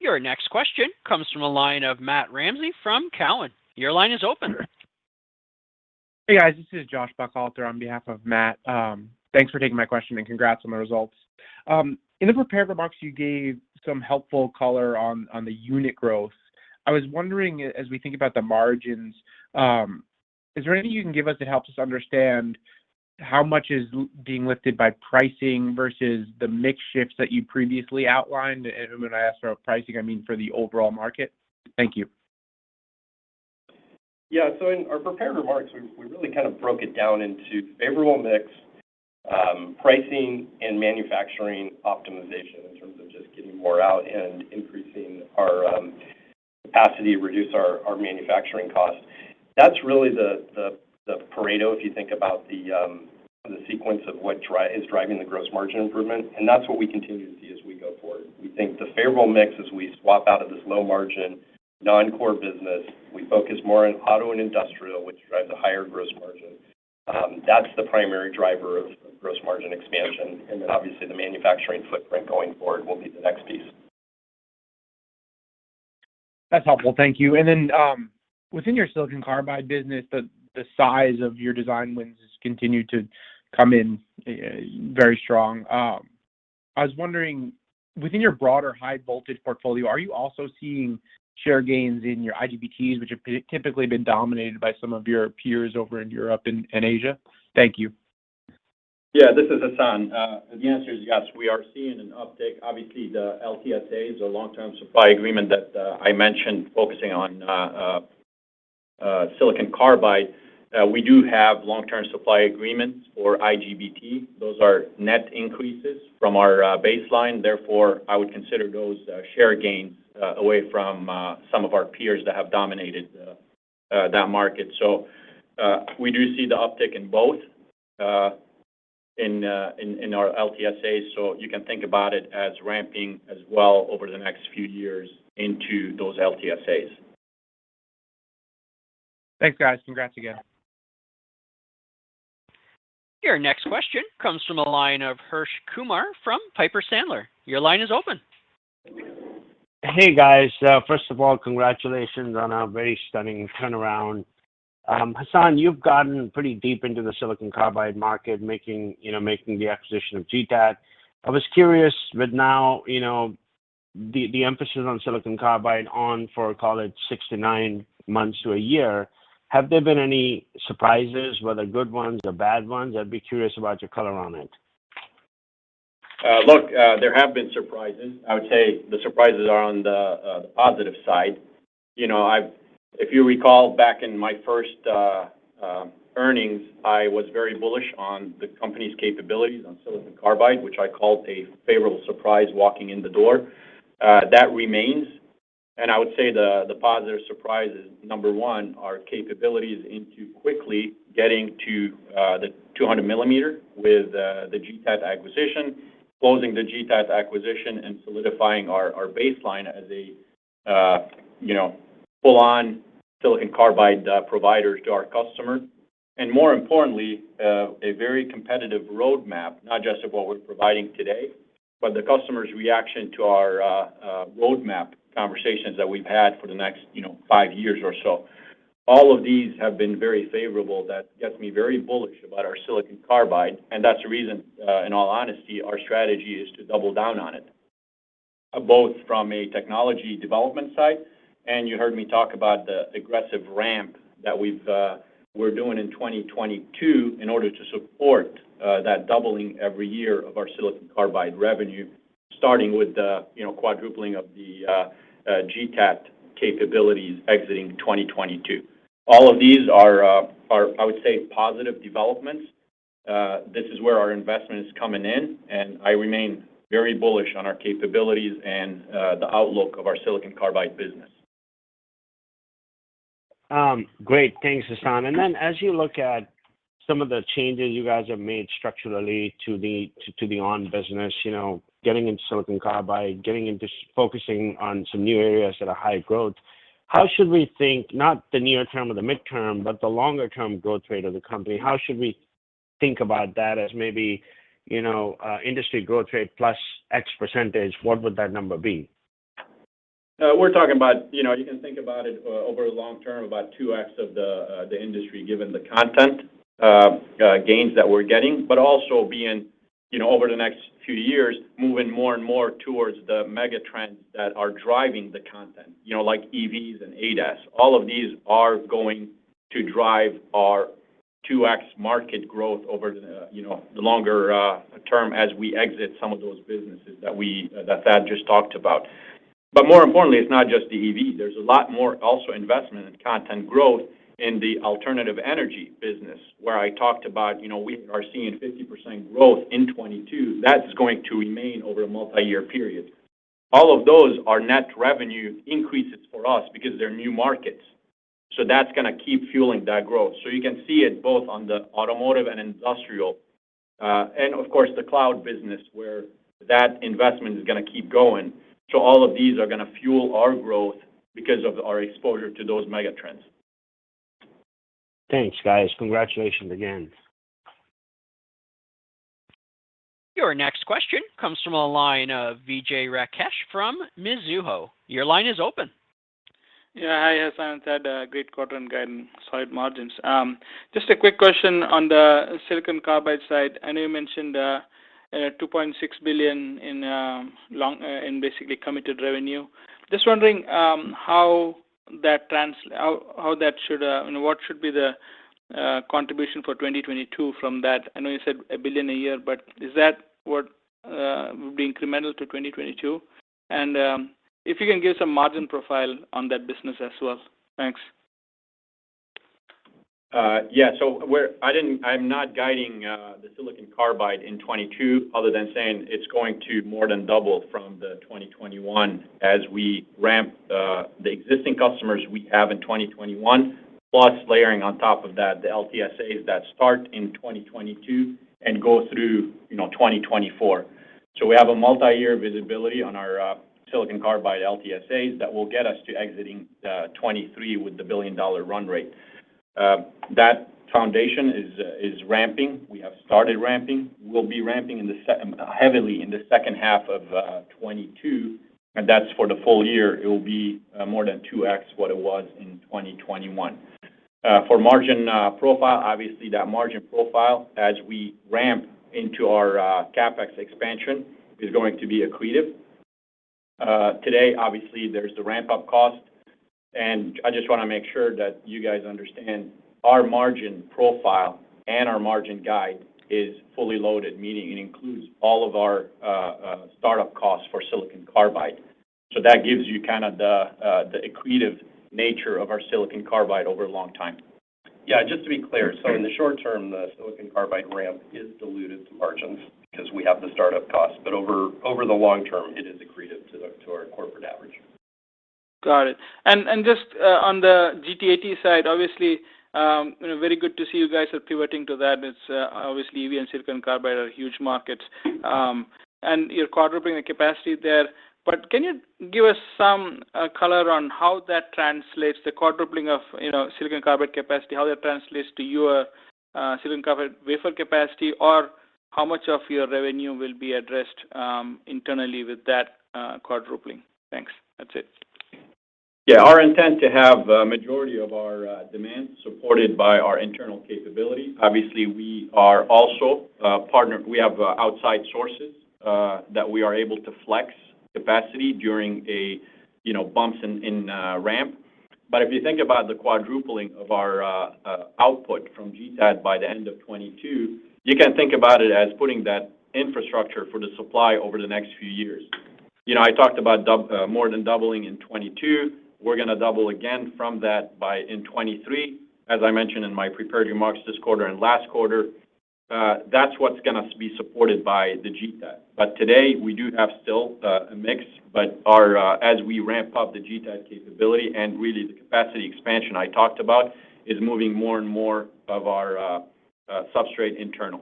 Your next question comes from a line of Matt Ramsay from Cowen. Your line is open. Hey, guys. This is Joshua Buchalter on behalf of Matt. Thanks for taking my question, and congrats on the results. In the prepared remarks, you gave some helpful color on the unit growth. I was wondering as we think about the margins, is there anything you can give us that helps us understand how much is being lifted by pricing versus the mix shifts that you previously outlined? When I ask about pricing, I mean for the overall market. Thank you. Yeah, in our prepared remarks, we really kind of broke it down into favorable mix, pricing and manufacturing optimization in terms of just getting more out and increasing our capacity, reduce our manufacturing costs. That's really the Pareto if you think about the sequence of what is driving the gross margin improvement, and that's what we continue to see as we go forward. We think the favorable mix as we swap out of this low margin non-core business, we focus more on auto and industrial, which drives a higher gross margin. That's the primary driver of gross margin expansion, and then obviously the manufacturing footprint going forward will be the next piece. That's helpful. Thank you. Within your Silicon Carbide business, the size of your design wins has continued to come in very strong. I was wondering, within your broader high voltage portfolio, are you also seeing share gains in your IGBTs, which have typically been dominated by some of your peers over in Europe and Asia? Thank you. Yeah, this is Hassane. The answer is yes. We are seeing an uptick. Obviously, the LTSA is a long-term supply agreement that I mentioned focusing on silicon carbide. We do have long-term supply agreements for IGBT. Those are net increases from our baseline, therefore, I would consider those share gains away from some of our peers that have dominated that market. We do see the uptick in both in our LTSA. You can think about it as ramping as well over the next few years into those LTSAs. Thanks, guys. Congrats again. Your next question comes from the line of Harsh Kumar from Piper Sandler. Your line is open. Hey, guys. First of all, congratulations on a very stunning turnaround. Hassane, you've gotten pretty deep into the Silicon Carbide market, making the acquisition of GTAT. I was curious. Now, with you know, the emphasis on Silicon Carbide for, call it, 6-9 months to a year, have there been any surprises, whether good ones or bad ones? I'd be curious about your color on it. Look, there have been surprises. I would say the surprises are on the positive side. You know, if you recall back in my first earnings, I was very bullish on the company's capabilities on silicon carbide, which I called a favorable surprise walking in the door. That remains, and I would say the positive surprise is, number one, our capabilities into quickly getting to the 200 millimeter with the GTAT acquisition and solidifying our baseline as a full on silicon carbide provider to our customers. More importantly, a very competitive roadmap, not just of what we're providing today, but the customer's reaction to our roadmap conversations that we've had for the next five years or so. All of these have been very favorable. That gets me very bullish about our Silicon Carbide, and that's the reason, in all honesty, our strategy is to double down on it, both from a technology development side, and you heard me talk about the aggressive ramp that we're doing in 2022 in order to support that doubling every year of our Silicon Carbide revenue, starting with the, you know, quadrupling of the GTAT capabilities exiting 2022. All of these are, I would say, positive developments. This is where our investment is coming in, and I remain very bullish on our capabilities and the outlook of our Silicon Carbide business. Great. Thanks, Hassane. As you look at some of the changes you guys have made structurally to the ON business, you know, getting into Silicon Carbide, focusing on some new areas that are high growth, how should we think about not the near term or the midterm, but the longer term growth rate of the company? How should we think about that as maybe, you know, industry growth rate plus X percentage? What would that number be? We're talking about, you know, you can think about it over long term, about 2x of the industry, given the content gains that we're getting, but also being, you know, over the next few years, moving more and more towards the mega trends that are driving the content, you know, like EVs and ADAS. All of these are going to drive our 2x market growth over the longer term as we exit some of those businesses that Thad just talked about. More importantly, it's not just the EV. There's a lot more also investment and content growth in the alternative energy business, where I talked about, you know, we are seeing 50% growth in 2022. That's going to remain over a multiyear period. All of those are net revenue increases for us because they're new markets. That's gonna keep fueling that growth. You can see it both on the automotive and industrial, and of course, the cloud business where that investment is gonna keep going. All of these are gonna fuel our growth because of our exposure to those mega trends. Thanks, guys. Congratulations again. Your next question comes from the line of Vijay Rakesh from Mizuho. Your line is open. Yeah. Hi, Hassane and Thad. Great quarter and guiding solid margins. Just a quick question on the Silicon Carbide side. I know you mentioned $2.6 billion in basically committed revenue. Just wondering how that should, and what should be the contribution for 2022 from that? I know you said $1 billion a year, but is that what would be incremental to 2022? If you can give some margin profile on that business as well. Thanks. Yeah. I'm not guiding the Silicon Carbide in 2022 other than saying it's going to more than double from the 2021 as we ramp the existing customers we have in 2021, plus layering on top of that the LTSAs that start in 2022 and go through, you know, 2024. We have a multiyear visibility on our Silicon Carbide LTSAs that will get us to exiting 2023 with the billion-dollar run rate. That foundation is ramping. We have started ramping. We'll be ramping heavily in the second half of 2022, and that's for the full year. It will be more than 2x what it was in 2021. For margin profile, obviously that margin profile, as we ramp into our CapEx expansion, is going to be accretive. Today, obviously there's the ramp-up cost, and I just wanna make sure that you guys understand our margin profile and our margin guide is fully loaded, meaning it includes all of our startup costs for Silicon Carbide. That gives you kind of the accretive nature of our Silicon Carbide over a long time. Yeah, just to be clear, in the short term, the Silicon Carbide ramp is diluted to margins because we have the startup costs. Over the long term, it is accretive to our corporate average. Got it. Just on the GTAT side, obviously, you know, very good to see you guys are pivoting to that. It's obviously, EV and silicon carbide are huge markets. You're quadrupling the capacity there, but can you give us some color on how that translates the quadrupling of, you know, silicon carbide capacity, how that translates to your silicon carbide wafer capacity or how much of your revenue will be addressed internally with that quadrupling? Thanks. That's it. Yeah. Our intent to have a majority of our demand supported by our internal capability. Obviously, we are also a partner. We have outside sources that we are able to flex capacity during a, you know, bumps in ramp. If you think about the quadrupling of our output from GTAT by the end of 2022, you can think about it as putting that infrastructure for the supply over the next few years. You know, I talked about more than doubling in 2022. We're gonna double again from that by in 2023. As I mentioned in my prepared remarks this quarter and last quarter, that's what's gonna be supported by the GTAT. Today, we do have still a mix, but ours, as we ramp up the GTAT capability and really the capacity expansion I talked about is moving more and more of our substrate internal.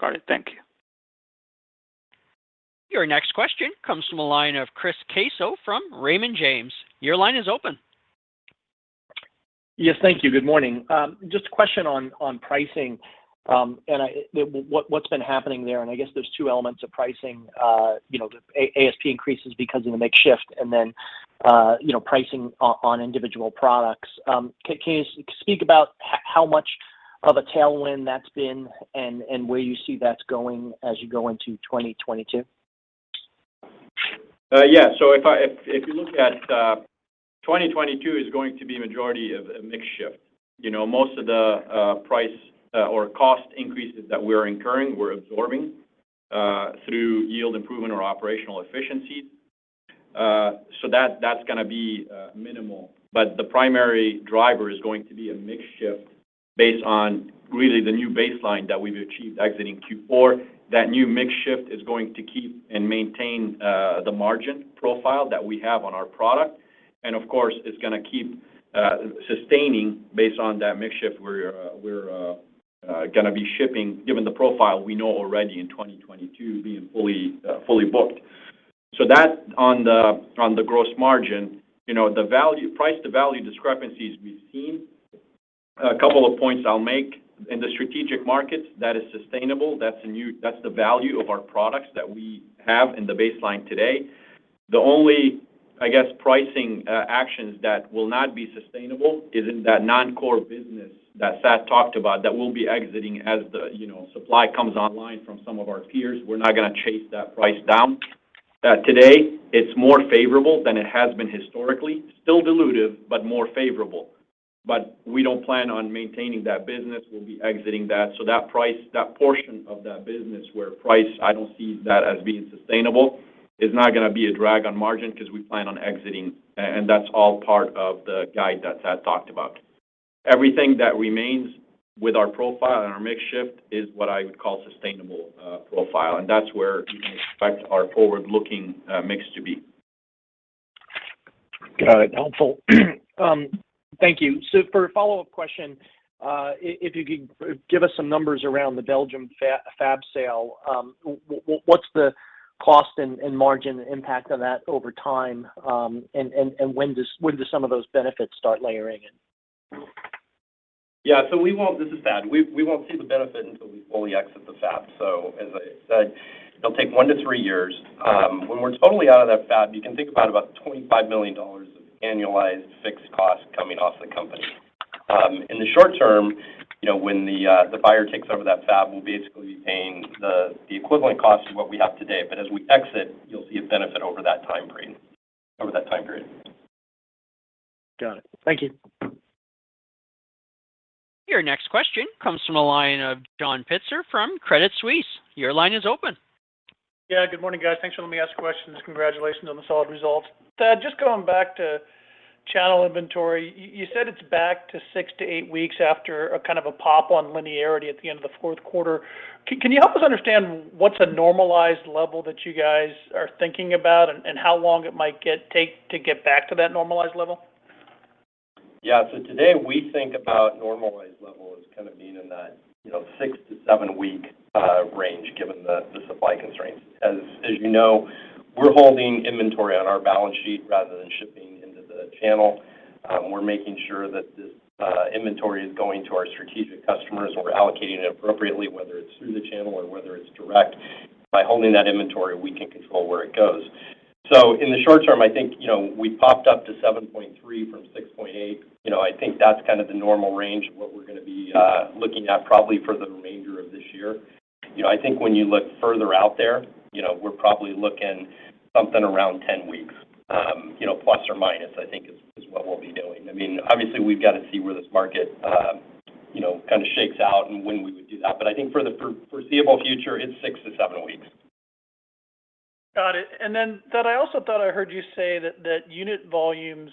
Got it. Thank you. Your next question comes from the line of Chris Caso from Raymond James. Your line is open. Yes, thank you. Good morning. Just a question on pricing, and what's been happening there, and I guess there's two elements of pricing, you know, the ASP increases because of the mix shift and then, you know, pricing on individual products. Can you speak about how much of a tailwind that's been and where you see that's going as you go into 2022? If you look at 2022, it is going to be the majority of a mix shift. You know, most of the price or cost increases that we're incurring, we're absorbing through yield improvement or operational efficiencies. That's gonna be minimal. The primary driver is going to be a mix shift based on really the new baseline that we've achieved exiting Q4. That new mix shift is going to keep and maintain the margin profile that we have on our product. Of course, it's gonna keep sustaining based on that mix shift we're gonna be shipping given the profile we know already in 2022 being fully booked. That on the gross margin, you know, the value-price to value discrepancies we've seen, a couple of points I'll make. In the strategic markets, that is sustainable. That's the value of our products that we have in the baseline today. The only, I guess, pricing, actions that will not be sustainable is in that non-core business that Thad talked about that we'll be exiting as the, you know, supply comes online from some of our peers. We're not gonna chase that price down. Today it's more favorable than it has been historically. Still dilutive, but more favorable. We don't plan on maintaining that business. We'll be exiting that. That price, that portion of that business where price, I don't see that as being sustainable, is not gonna be a drag on margin because we plan on exiting. that's all part of the guide that Thad Trent talked about. Everything that remains with our profile and our mix shift is what I would call sustainable profile, and that's where you can expect our forward-looking mix to be. Got it. Helpful. Thank you. For a follow-up question, if you could give us some numbers around the Belgium fab sale, what's the cost and margin impact on that over time? And when do some of those benefits start layering in? This is Thad. We won't see the benefit until we fully exit the fab. As I said, it'll take 1-3 years. When we're totally out of that fab, you can think about $25 million of annualized fixed cost coming off the company. In the short term, you know, when the buyer takes over that fab, we'll basically be paying the equivalent cost of what we have today. As we exit, you'll see a benefit over that time period. Got it. Thank you. Your next question comes from the line of John Pitzer from Credit Suisse. Your line is open. Yeah. Good morning, guys. Thanks for letting me ask questions. Congratulations on the solid results. Thad, just going back to channel inventory, you said it's back to 6-8 weeks after a kind of a pop on linearity at the end of the fourth quarter. Can you help us understand what's a normalized level that you guys are thinking about and how long it might take to get back to that normalized level? Yeah. Today, we think about normalized level as kind of being in that, you know, 6- to 7-week range given the supply constraints. As you know, we're holding inventory on our balance sheet rather than shipping into the channel. We're making sure that this inventory is going to our strategic customers, and we're allocating it appropriately, whether it's through the channel or whether it's direct. By holding that inventory, we can control where it goes. In the short term, I think, you know, we popped up to 7.3 from 6.8. You know, I think that's kind of the normal range of what we're gonna be looking at probably for the remainder of this year. You know, I think when you look further out there, you know, we're probably looking something around 10 weeks, you know, plus or minus, I think is what we'll be doing. I mean, obviously we've got to see where this market, you know, kind of shakes out and when we would do that. I think for the foreseeable future, it's 6-7 weeks. Got it. I also thought I heard you say that unit volumes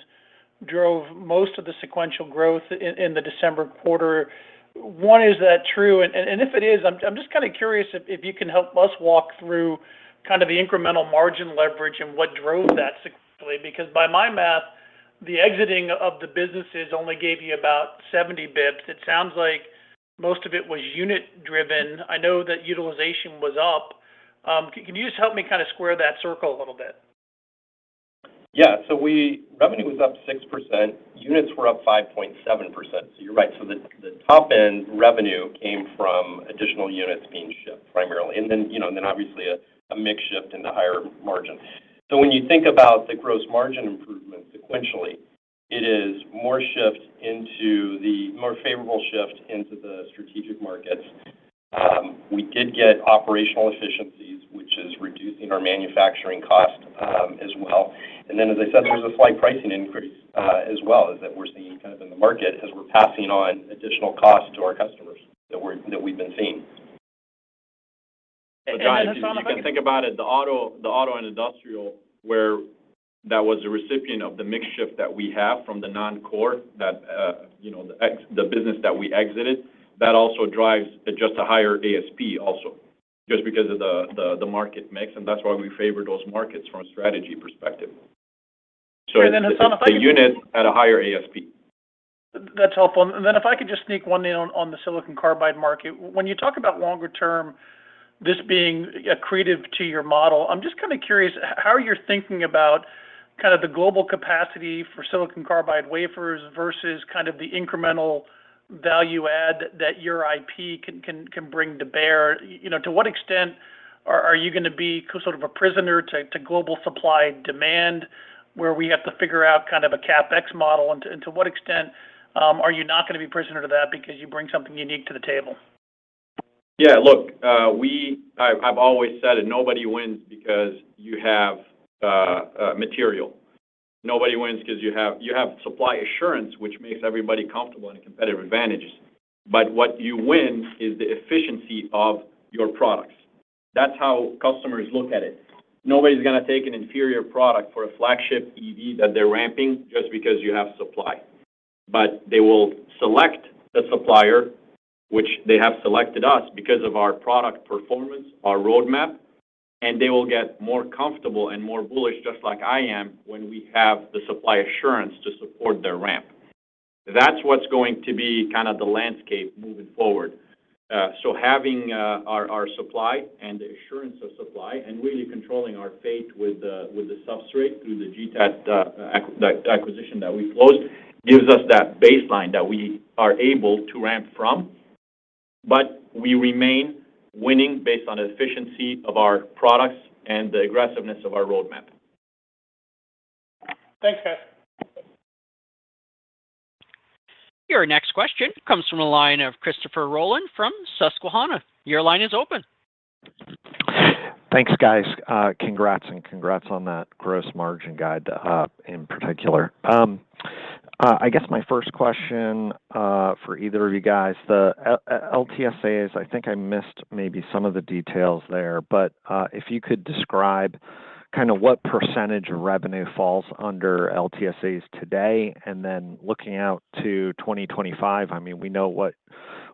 drove most of the sequential growth in the December quarter. One, is that true? If it is, I'm just kind of curious if you can help us walk through kind of the incremental margin leverage and what drove that successfully, because by my math, the exiting of the businesses only gave you about 70 basis points. It sounds like most of it was unit driven. I know that utilization was up. Can you just help me kind of square that circle a little bit? Yeah. Revenue was up 6%, units were up 5.7%. So you're right. So the top end revenue came from additional units being shipped primarily. And then, you know, and then obviously a mix shift in the higher margin. So when you think about the gross margin improvement sequentially, it is more shift into more favorable shift into the strategic markets. We did get operational efficiencies, which is reducing our manufacturing cost, as well. As I said, there was a slight pricing increase, as well as that we're seeing kind of in the market as we're passing on additional costs to our customers that we've been seeing. Hassane, if I can Guys, if you can think about it, the auto and industrial where that was a recipient of the mix shift that we have from the non-core that, you know, the business that we exited, that also drives just a higher ASP also, just because of the market mix, and that's why we favor those markets from a strategy perspective. Hassane, if I can. The unit at a higher ASP. That's helpful. If I could just sneak one in on the silicon carbide market. When you talk about longer term, this being accretive to your model, I'm just kind of curious how you're thinking about kind of the global capacity for Silicon Carbide wafers versus kind of the incremental value add that your IP can bring to bear. You know, to what extent are you gonna be sort of a prisoner to global supply demand where we have to figure out kind of a CapEx model? To what extent are you not gonna be prisoner to that because you bring something unique to the table? Yeah, look, I've always said it, nobody wins because you have material. Nobody wins 'cause you have supply assurance, which makes everybody comfortable in competitive advantages. What you win is the efficiency of your products. That's how customers look at it. Nobody's gonna take an inferior product for a flagship EV that they're ramping just because you have supply. They will select the supplier, which they have selected us because of our product performance, our roadmap, and they will get more comfortable and more bullish, just like I am, when we have the supply assurance to support their ramp. That's what's going to be kind of the landscape moving forward. Having our supply and the assurance of supply and really controlling our fate with the substrate through the GTAT acquisition that we closed gives us that baseline that we are able to ramp from. We remain winning based on the efficiency of our products and the aggressiveness of our roadmap. Thanks, guys. Your next question comes from the line of Christopher Rolland from Susquehanna. Your line is open. Thanks, guys. Congrats on that gross margin guide in particular. I guess my first question for either of you guys, the LTSAs, I think I missed maybe some of the details there. If you could describe kind of what percentage of revenue falls under LTSAs today, and then looking out to 2025, I mean, we know what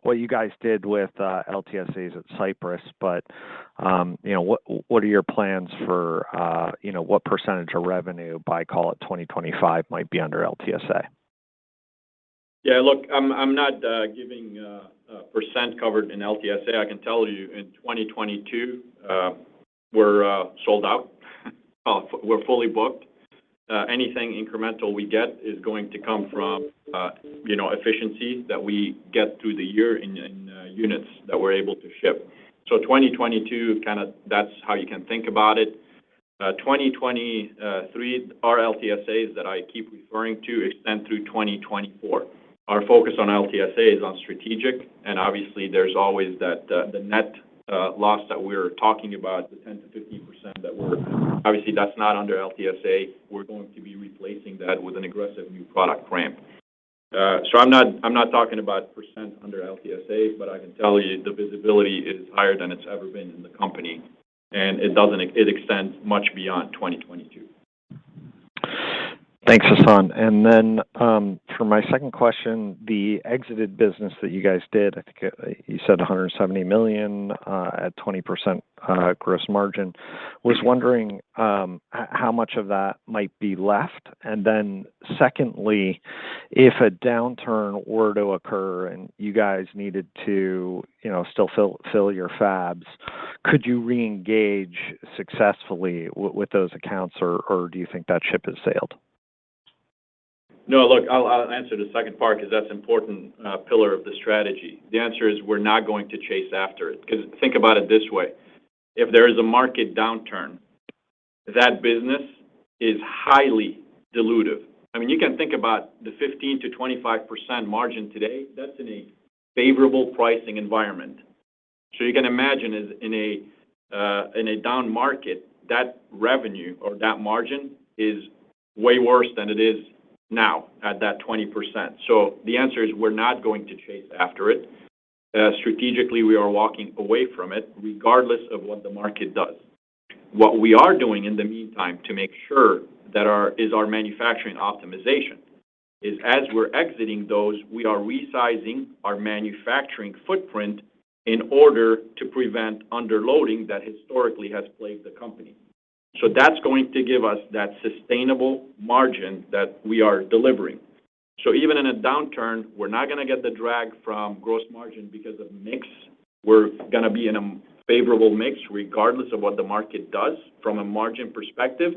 you guys did with LTSAs at Cypress, but you know, what are your plans for you know, what percentage of revenue by, call it, 2025 might be under LTSA? Yeah, look, I'm not giving a percent covered in LTSA. I can tell you in 2022, we're sold out. We're fully booked. Anything incremental we get is going to come from you know, efficiency that we get through the year in units that we're able to ship. 2023, our LTSAs that I keep referring to extend through 2024. Our focus on LTSA is on strategic, and obviously there's always that the net loss that we're talking about, the 10%-15%. Obviously that's not under LTSA. We're going to be replacing that with an aggressive new product ramp. I'm not talking about percent under LTSA, but I can tell you the visibility is higher than it's ever been in the company, and it doesn't extend much beyond 2022. Thanks, Hassane. For my second question, the exited business that you guys did, I think you said $170 million at 20% gross margin. Was wondering, how much of that might be left. Secondly, if a downturn were to occur and you guys needed to, you know, still fill your fabs, could you reengage successfully with those accounts, or do you think that ship has sailed? No, look, I'll answer the second part 'cause that's important pillar of the strategy. The answer is we're not going to chase after it 'cause think about it this way. If there is a market downturn, that business is highly dilutive. I mean, you can think about the 15%-25% margin today, that's in a favorable pricing environment. You can imagine in a down market, that revenue or that margin is way worse than it is now at that 20%. The answer is we're not going to chase after it. Strategically, we are walking away from it regardless of what the market does. What we are doing in the meantime to make sure that is our manufacturing optimization, as we're exiting those, we are resizing our manufacturing footprint in order to prevent underloading that historically has plagued the company. That's going to give us that sustainable margin that we are delivering. Even in a downturn, we're not gonna get the drag from gross margin because of mix, we're gonna be in a favorable mix regardless of what the market does from a margin perspective,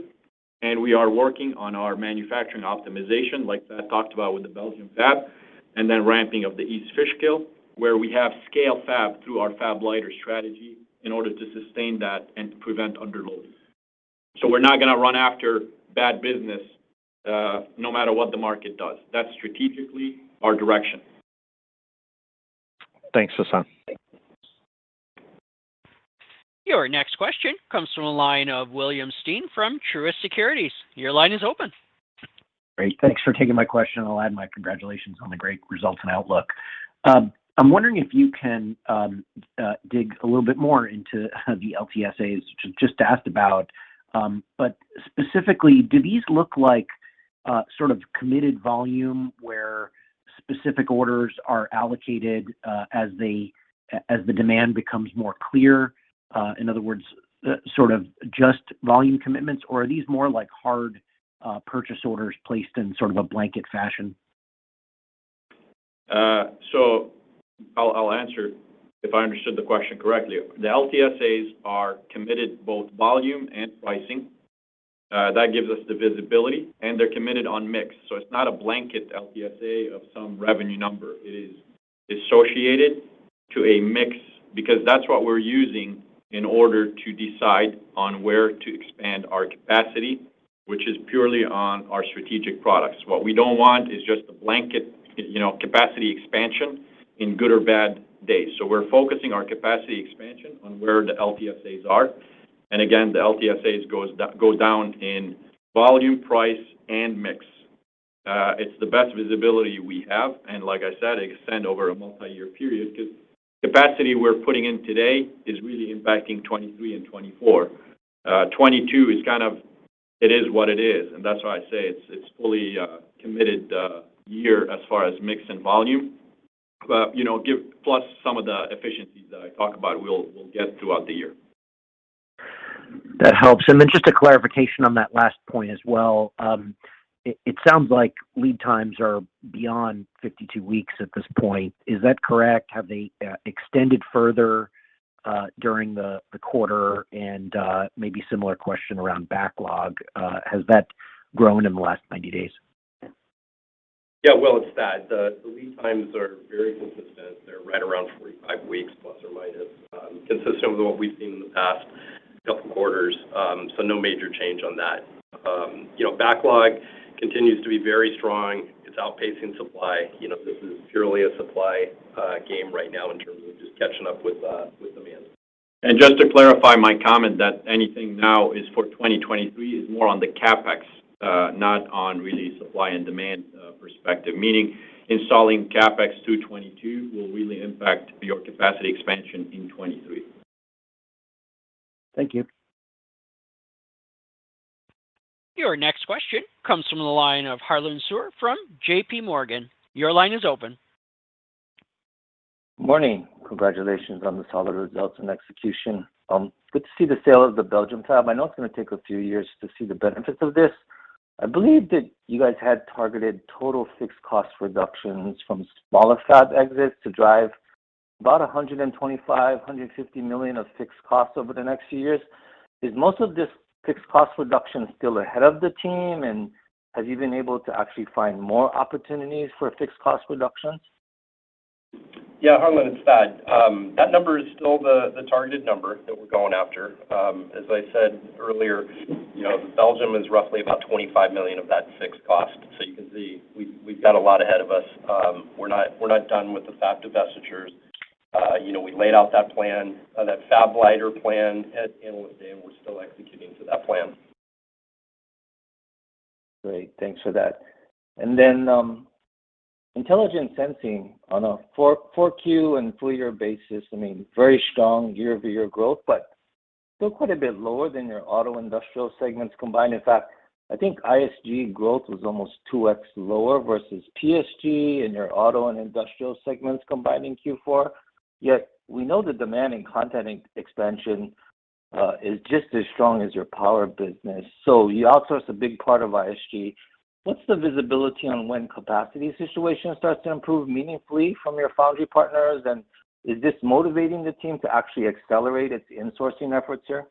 and we are working on our manufacturing optimization, like I talked about with the Belgium fab, and then ramping up the East Fishkill, where we have scale fab through our fab-lighter strategy in order to sustain that and to prevent underloads. We're not gonna run after bad business, no matter what the market does. That's strategically our direction. Thanks, Hassane. Your next question comes from the line of William Stein from Truist Securities. Your line is open. Great. Thanks for taking my question, and I'll add my congratulations on the great results and outlook. I'm wondering if you can dig a little bit more into the LTSAs which you just asked about. Specifically, do these look like sort of committed volume where specific orders are allocated as the demand becomes more clear? In other words, sort of just volume commitments, or are these more like hard purchase orders placed in sort of a blanket fashion? I'll answer if I understood the question correctly. The LTSAs are committed both volume and pricing. That gives us the visibility, and they're committed on mix. It's not a blanket LTSA of some revenue number. It is associated to a mix because that's what we're using in order to decide on where to expand our capacity, which is purely on our strategic products. What we don't want is just a blanket, you know, capacity expansion in good or bad days. We're focusing our capacity expansion on where the LTSAs are. Again, the LTSAs goes down in volume, price, and mix. It's the best visibility we have, and like I said, extend over a multi-year period because capacity we're putting in today is really impacting 2023 and 2024. 2022 is kind of it is what it is, and that's why I say it's fully committed year as far as mix and volume. You know, plus some of the efficiencies that I talked about, we'll get throughout the year. That helps. Just a clarification on that last point as well. It sounds like lead times are beyond 52 weeks at this point. Is that correct? Have they extended further during the quarter? Maybe similar question around backlog. Has that grown in the last 90 days? Yeah. Well, it's that. The lead times are very consistent. They're right around 45 weeks ±, consistent with what we've seen in the past couple quarters, so no major change on that. You know, backlog continues to be very strong. It's outpacing supply. You know, this is purely a supply game right now in terms of just catching up with demand. Just to clarify my comment that anything now is for 2023 is more on the CapEx, not really on supply and demand perspective. Meaning installing CapEx to 2022 will really impact your capacity expansion in 2023. Thank you. Your next question comes from the line of Harlan Sur from JPMorgan. Your line is open. Morning. Congratulations on the solid results and execution. Good to see the sale of the Belgian fab. I know it's going to take a few years to see the benefits of this. I believe that you guys had targeted total fixed cost reductions from smaller fab exits to drive about $125 million-$150 million of fixed costs over the next few years. Is most of this fixed cost reduction still ahead of the team, and have you been able to actually find more opportunities for fixed cost reductions? Yeah, Harlan, it's that. That number is still the targeted number that we're going after. As I said earlier, you know, Belgium is roughly about $25 million of that fixed cost. So you can see we've got a lot ahead of us. We're not done with the fab divestitures. You know, we laid out that plan, that fab-lighter plan at Analyst Day, and we're still executing to that plan. Great. Thanks for that. Then, intelligent sensing on a Q4 and full year basis, I mean, very strong year-over-year growth, but still quite a bit lower than your auto industrial segments combined. In fact, I think ISG growth was almost 2x lower versus PSG in your auto and industrial segments combined in Q4. Yet we know the demand in content expansion is just as strong as your power business. So you outsource a big part of ISG. What's the visibility on when capacity situation starts to improve meaningfully from your foundry partners? And is this motivating the team to actually accelerate its insourcing efforts here?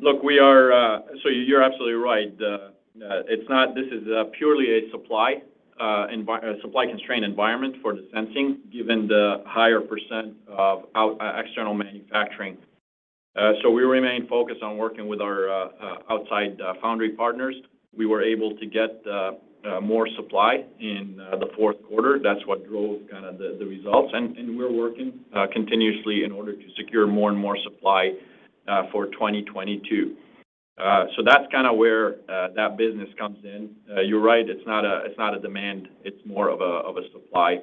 Look, we are. You're absolutely right. This is purely a supply constraint environment for the sensing given the higher percent of external manufacturing. We remain focused on working with our outside foundry partners. We were able to get more supply in the fourth quarter. That's what drove kind of the results. We're working continuously in order to secure more and more supply for 2022. That's kind of where that business comes in. You're right, it's not a demand, it's more of a supply.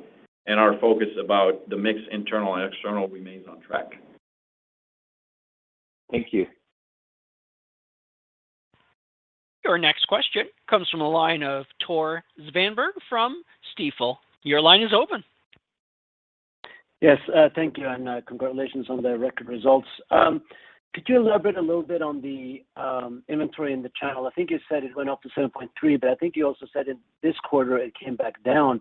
Our focus about the mix internal and external remains on track. Thank you. Your next question comes from the line of Tore Svanberg from Stifel. Your line is open. Yes, thank you, and congratulations on the record results. Could you elaborate a little bit on the inventory in the channel? I think you said it went up to 7.3, but I think you also said in this quarter it came back down.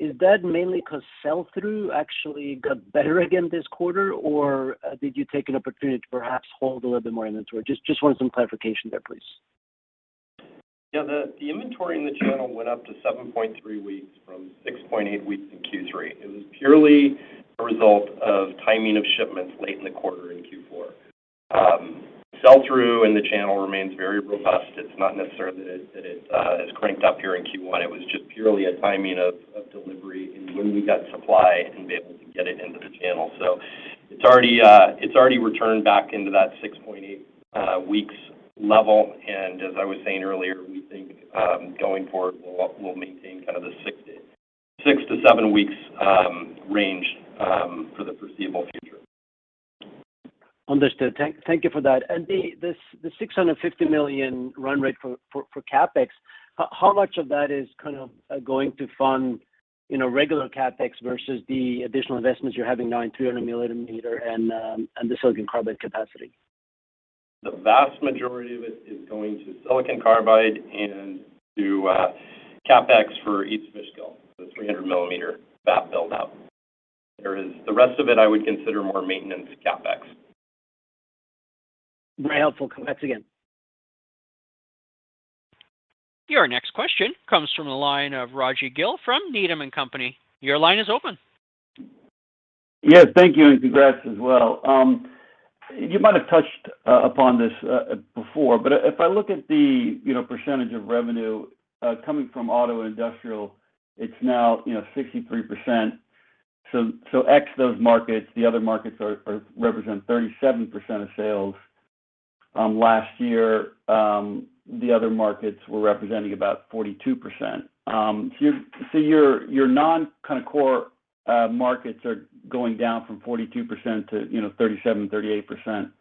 Is that mainly 'cause sell-through actually got better again this quarter, or did you take an opportunity to perhaps hold a little bit more inventory? Just wanted some clarification there, please. Yeah. The inventory in the channel went up to 7.3 weeks from 6.8 weeks in Q3. It was purely a result of timing of shipments late in the quarter in Q4. Sell-through in the channel remains very robust. It's not necessarily that it has cranked up here in Q1. It was just purely a timing of delivery and when we got supply and be able to get it into the channel. It's already returned back into that 6.8 weeks level. As I was saying earlier, we think going forward, we'll maintain kind of the 6-7 weeks range for the foreseeable future. Understood. Thank you for that. The $650 million run rate for CapEx, how much of that is kind of going to fund, you know, regular CapEx versus the additional investments you're having now in 300-millimeter and the Silicon Carbide capacity? The vast majority of it is going to Silicon Carbide and to CapEx for East Fishkill, the 300-millimeter fab build-out. There is the rest of it. I would consider more maintenance CapEx. Very helpful. Thanks again. Your next question comes from the line of Rajvindra Gill from Needham & Company. Your line is open. Yes. Thank you, and congrats as well. You might have touched upon this before, but if I look at the, you know, percentage of revenue coming from auto and industrial, it's now, you know, 63%. Ex those markets, the other markets represent 37% of sales. Last year, the other markets were representing about 42%. Your non kind of core markets are going down from 42% to, you know, 37%-38%,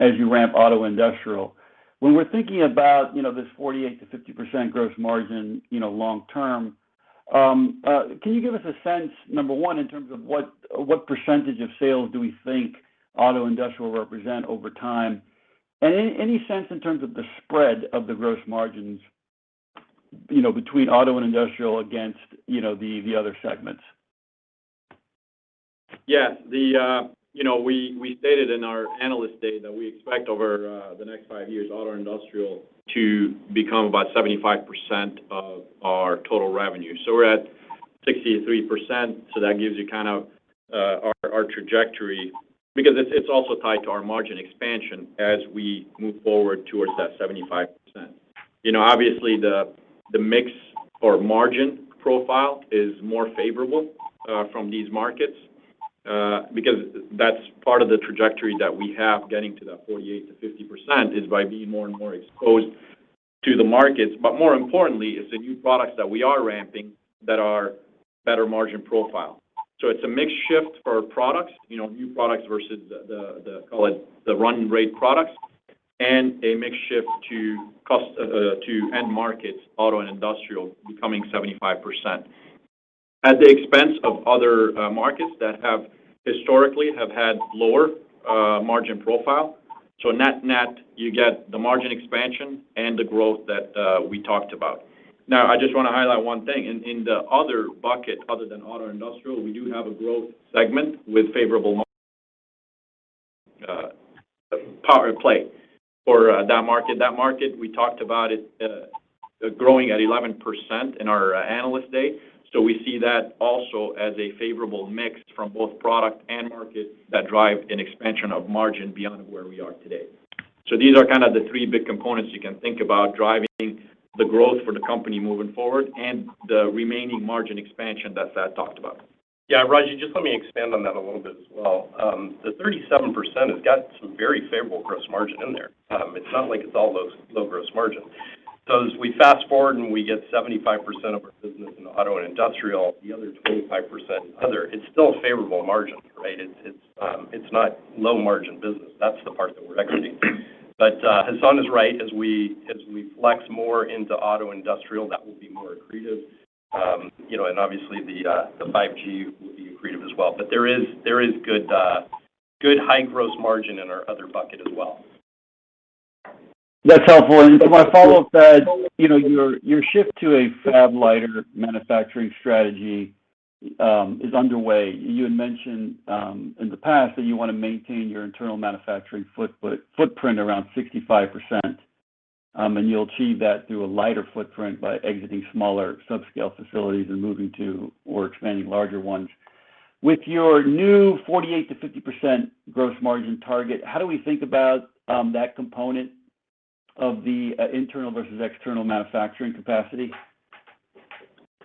as you ramp auto industrial. When we're thinking about, you know, this 48%-50% gross margin, you know, long term, can you give us a sense, number one, in terms of what percentage of sales do we think auto industrial represent over time? Any sense in terms of the spread of the gross margins, you know, between auto and industrial against, you know, the other segments? Yes. You know, we stated in our Analyst Day that we expect over the next five years auto industrial to become about 75% of our total revenue. We're at 63%, that gives you kind of our trajectory, because it's also tied to our margin expansion as we move forward towards that 75%. You know, obviously the mix or margin profile is more favorable from these markets, because that's part of the trajectory that we have getting to that 48%-50%, by being more and more exposed to the markets. More importantly is the new products that we are ramping that are better margin profile. It's a mix shift for products, you know, new products versus the, call it the run rate products, and a mix shift to end markets, auto and industrial becoming 75%, at the expense of other markets that have historically had lower margin profile. Net net, you get the margin expansion and the growth that we talked about. Now, I just want to highlight one thing. In the other bucket, other than auto industrial, we do have a growth segment with favorable power play for that market. That market, we talked about it growing at 11% in our Analyst Day. We see that also as a favorable mix from both product and market that drive an expansion of margin beyond where we are today. These are kind of the three big components you can think about driving the growth for the company moving forward and the remaining margin expansion that Thad talked about. Yeah. Rajvindra, just let me expand on that a little bit as well. The 37% has got some very favorable gross margin in there. It's not like it's all low gross margin. As we fast-forward and we get 75% of our business in auto and industrial, the other 25% other, it's still a favorable margin, right? It's not low margin business. That's the part that we're exiting. Hassan is right. As we flex more into auto industrial, that will be more accretive. You know, and obviously the 5G will be accretive as well. There is good high gross margin in our other bucket as well. That's helpful. My follow-up, Thad, you know, your shift to a fab-lighter manufacturing strategy is underway. You had mentioned in the past that you want to maintain your internal manufacturing footprint around 65%. You'll achieve that through a lighter footprint by exiting smaller subscale facilities and moving to or expanding larger ones. With your new 48%-50% gross margin target, how do we think about that component of the internal versus external manufacturing capacity?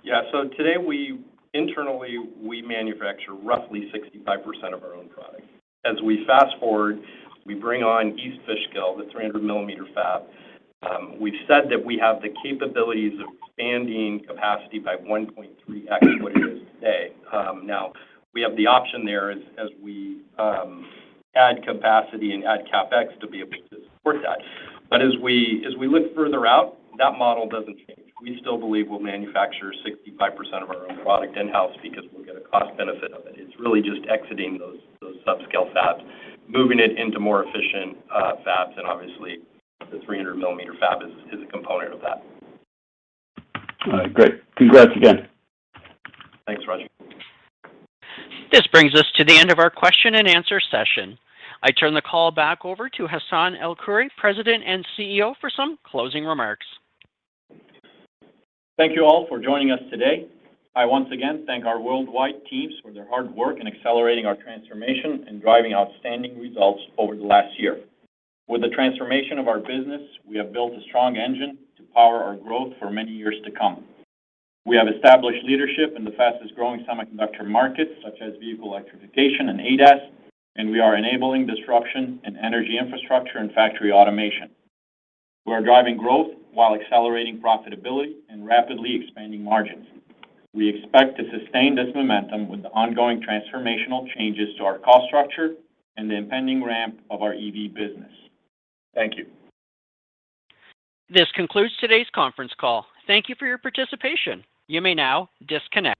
Yeah. Today, we internally manufacture roughly 65% of our own product. As we fast-forward, we bring on East Fishkill, the 300-millimeter fab. We've said that we have the capabilities of expanding capacity by 1.3x what it is today. Now we have the option there as we add capacity and add CapEx to be able to support that. As we look further out, that model doesn't change. We still believe we'll manufacture 65% of our own product in-house because we'll get a cost benefit of it. It's really just exiting those subscale fabs, moving it into more efficient fabs, and obviously the 300-millimeter fab is a component of that. All right, great. Congrats again. Thanks, Rajvindra. This brings us to the end of our question and answer session. I turn the call back over to Hassane El-Khoury, President and CEO, for some closing remarks. Thank you all for joining us today. I once again thank our worldwide teams for their hard work in accelerating our transformation and driving outstanding results over the last year. With the transformation of our business, we have built a strong engine to power our growth for many years to come. We have established leadership in the fastest growing semiconductor markets, such as vehicle electrification and ADAS, and we are enabling disruption in energy infrastructure and factory automation. We are driving growth while accelerating profitability and rapidly expanding margins. We expect to sustain this momentum with the ongoing transformational changes to our cost structure and the impending ramp of our EV business. Thank you. This concludes today's conference call. Thank you for your participation. You may now disconnect.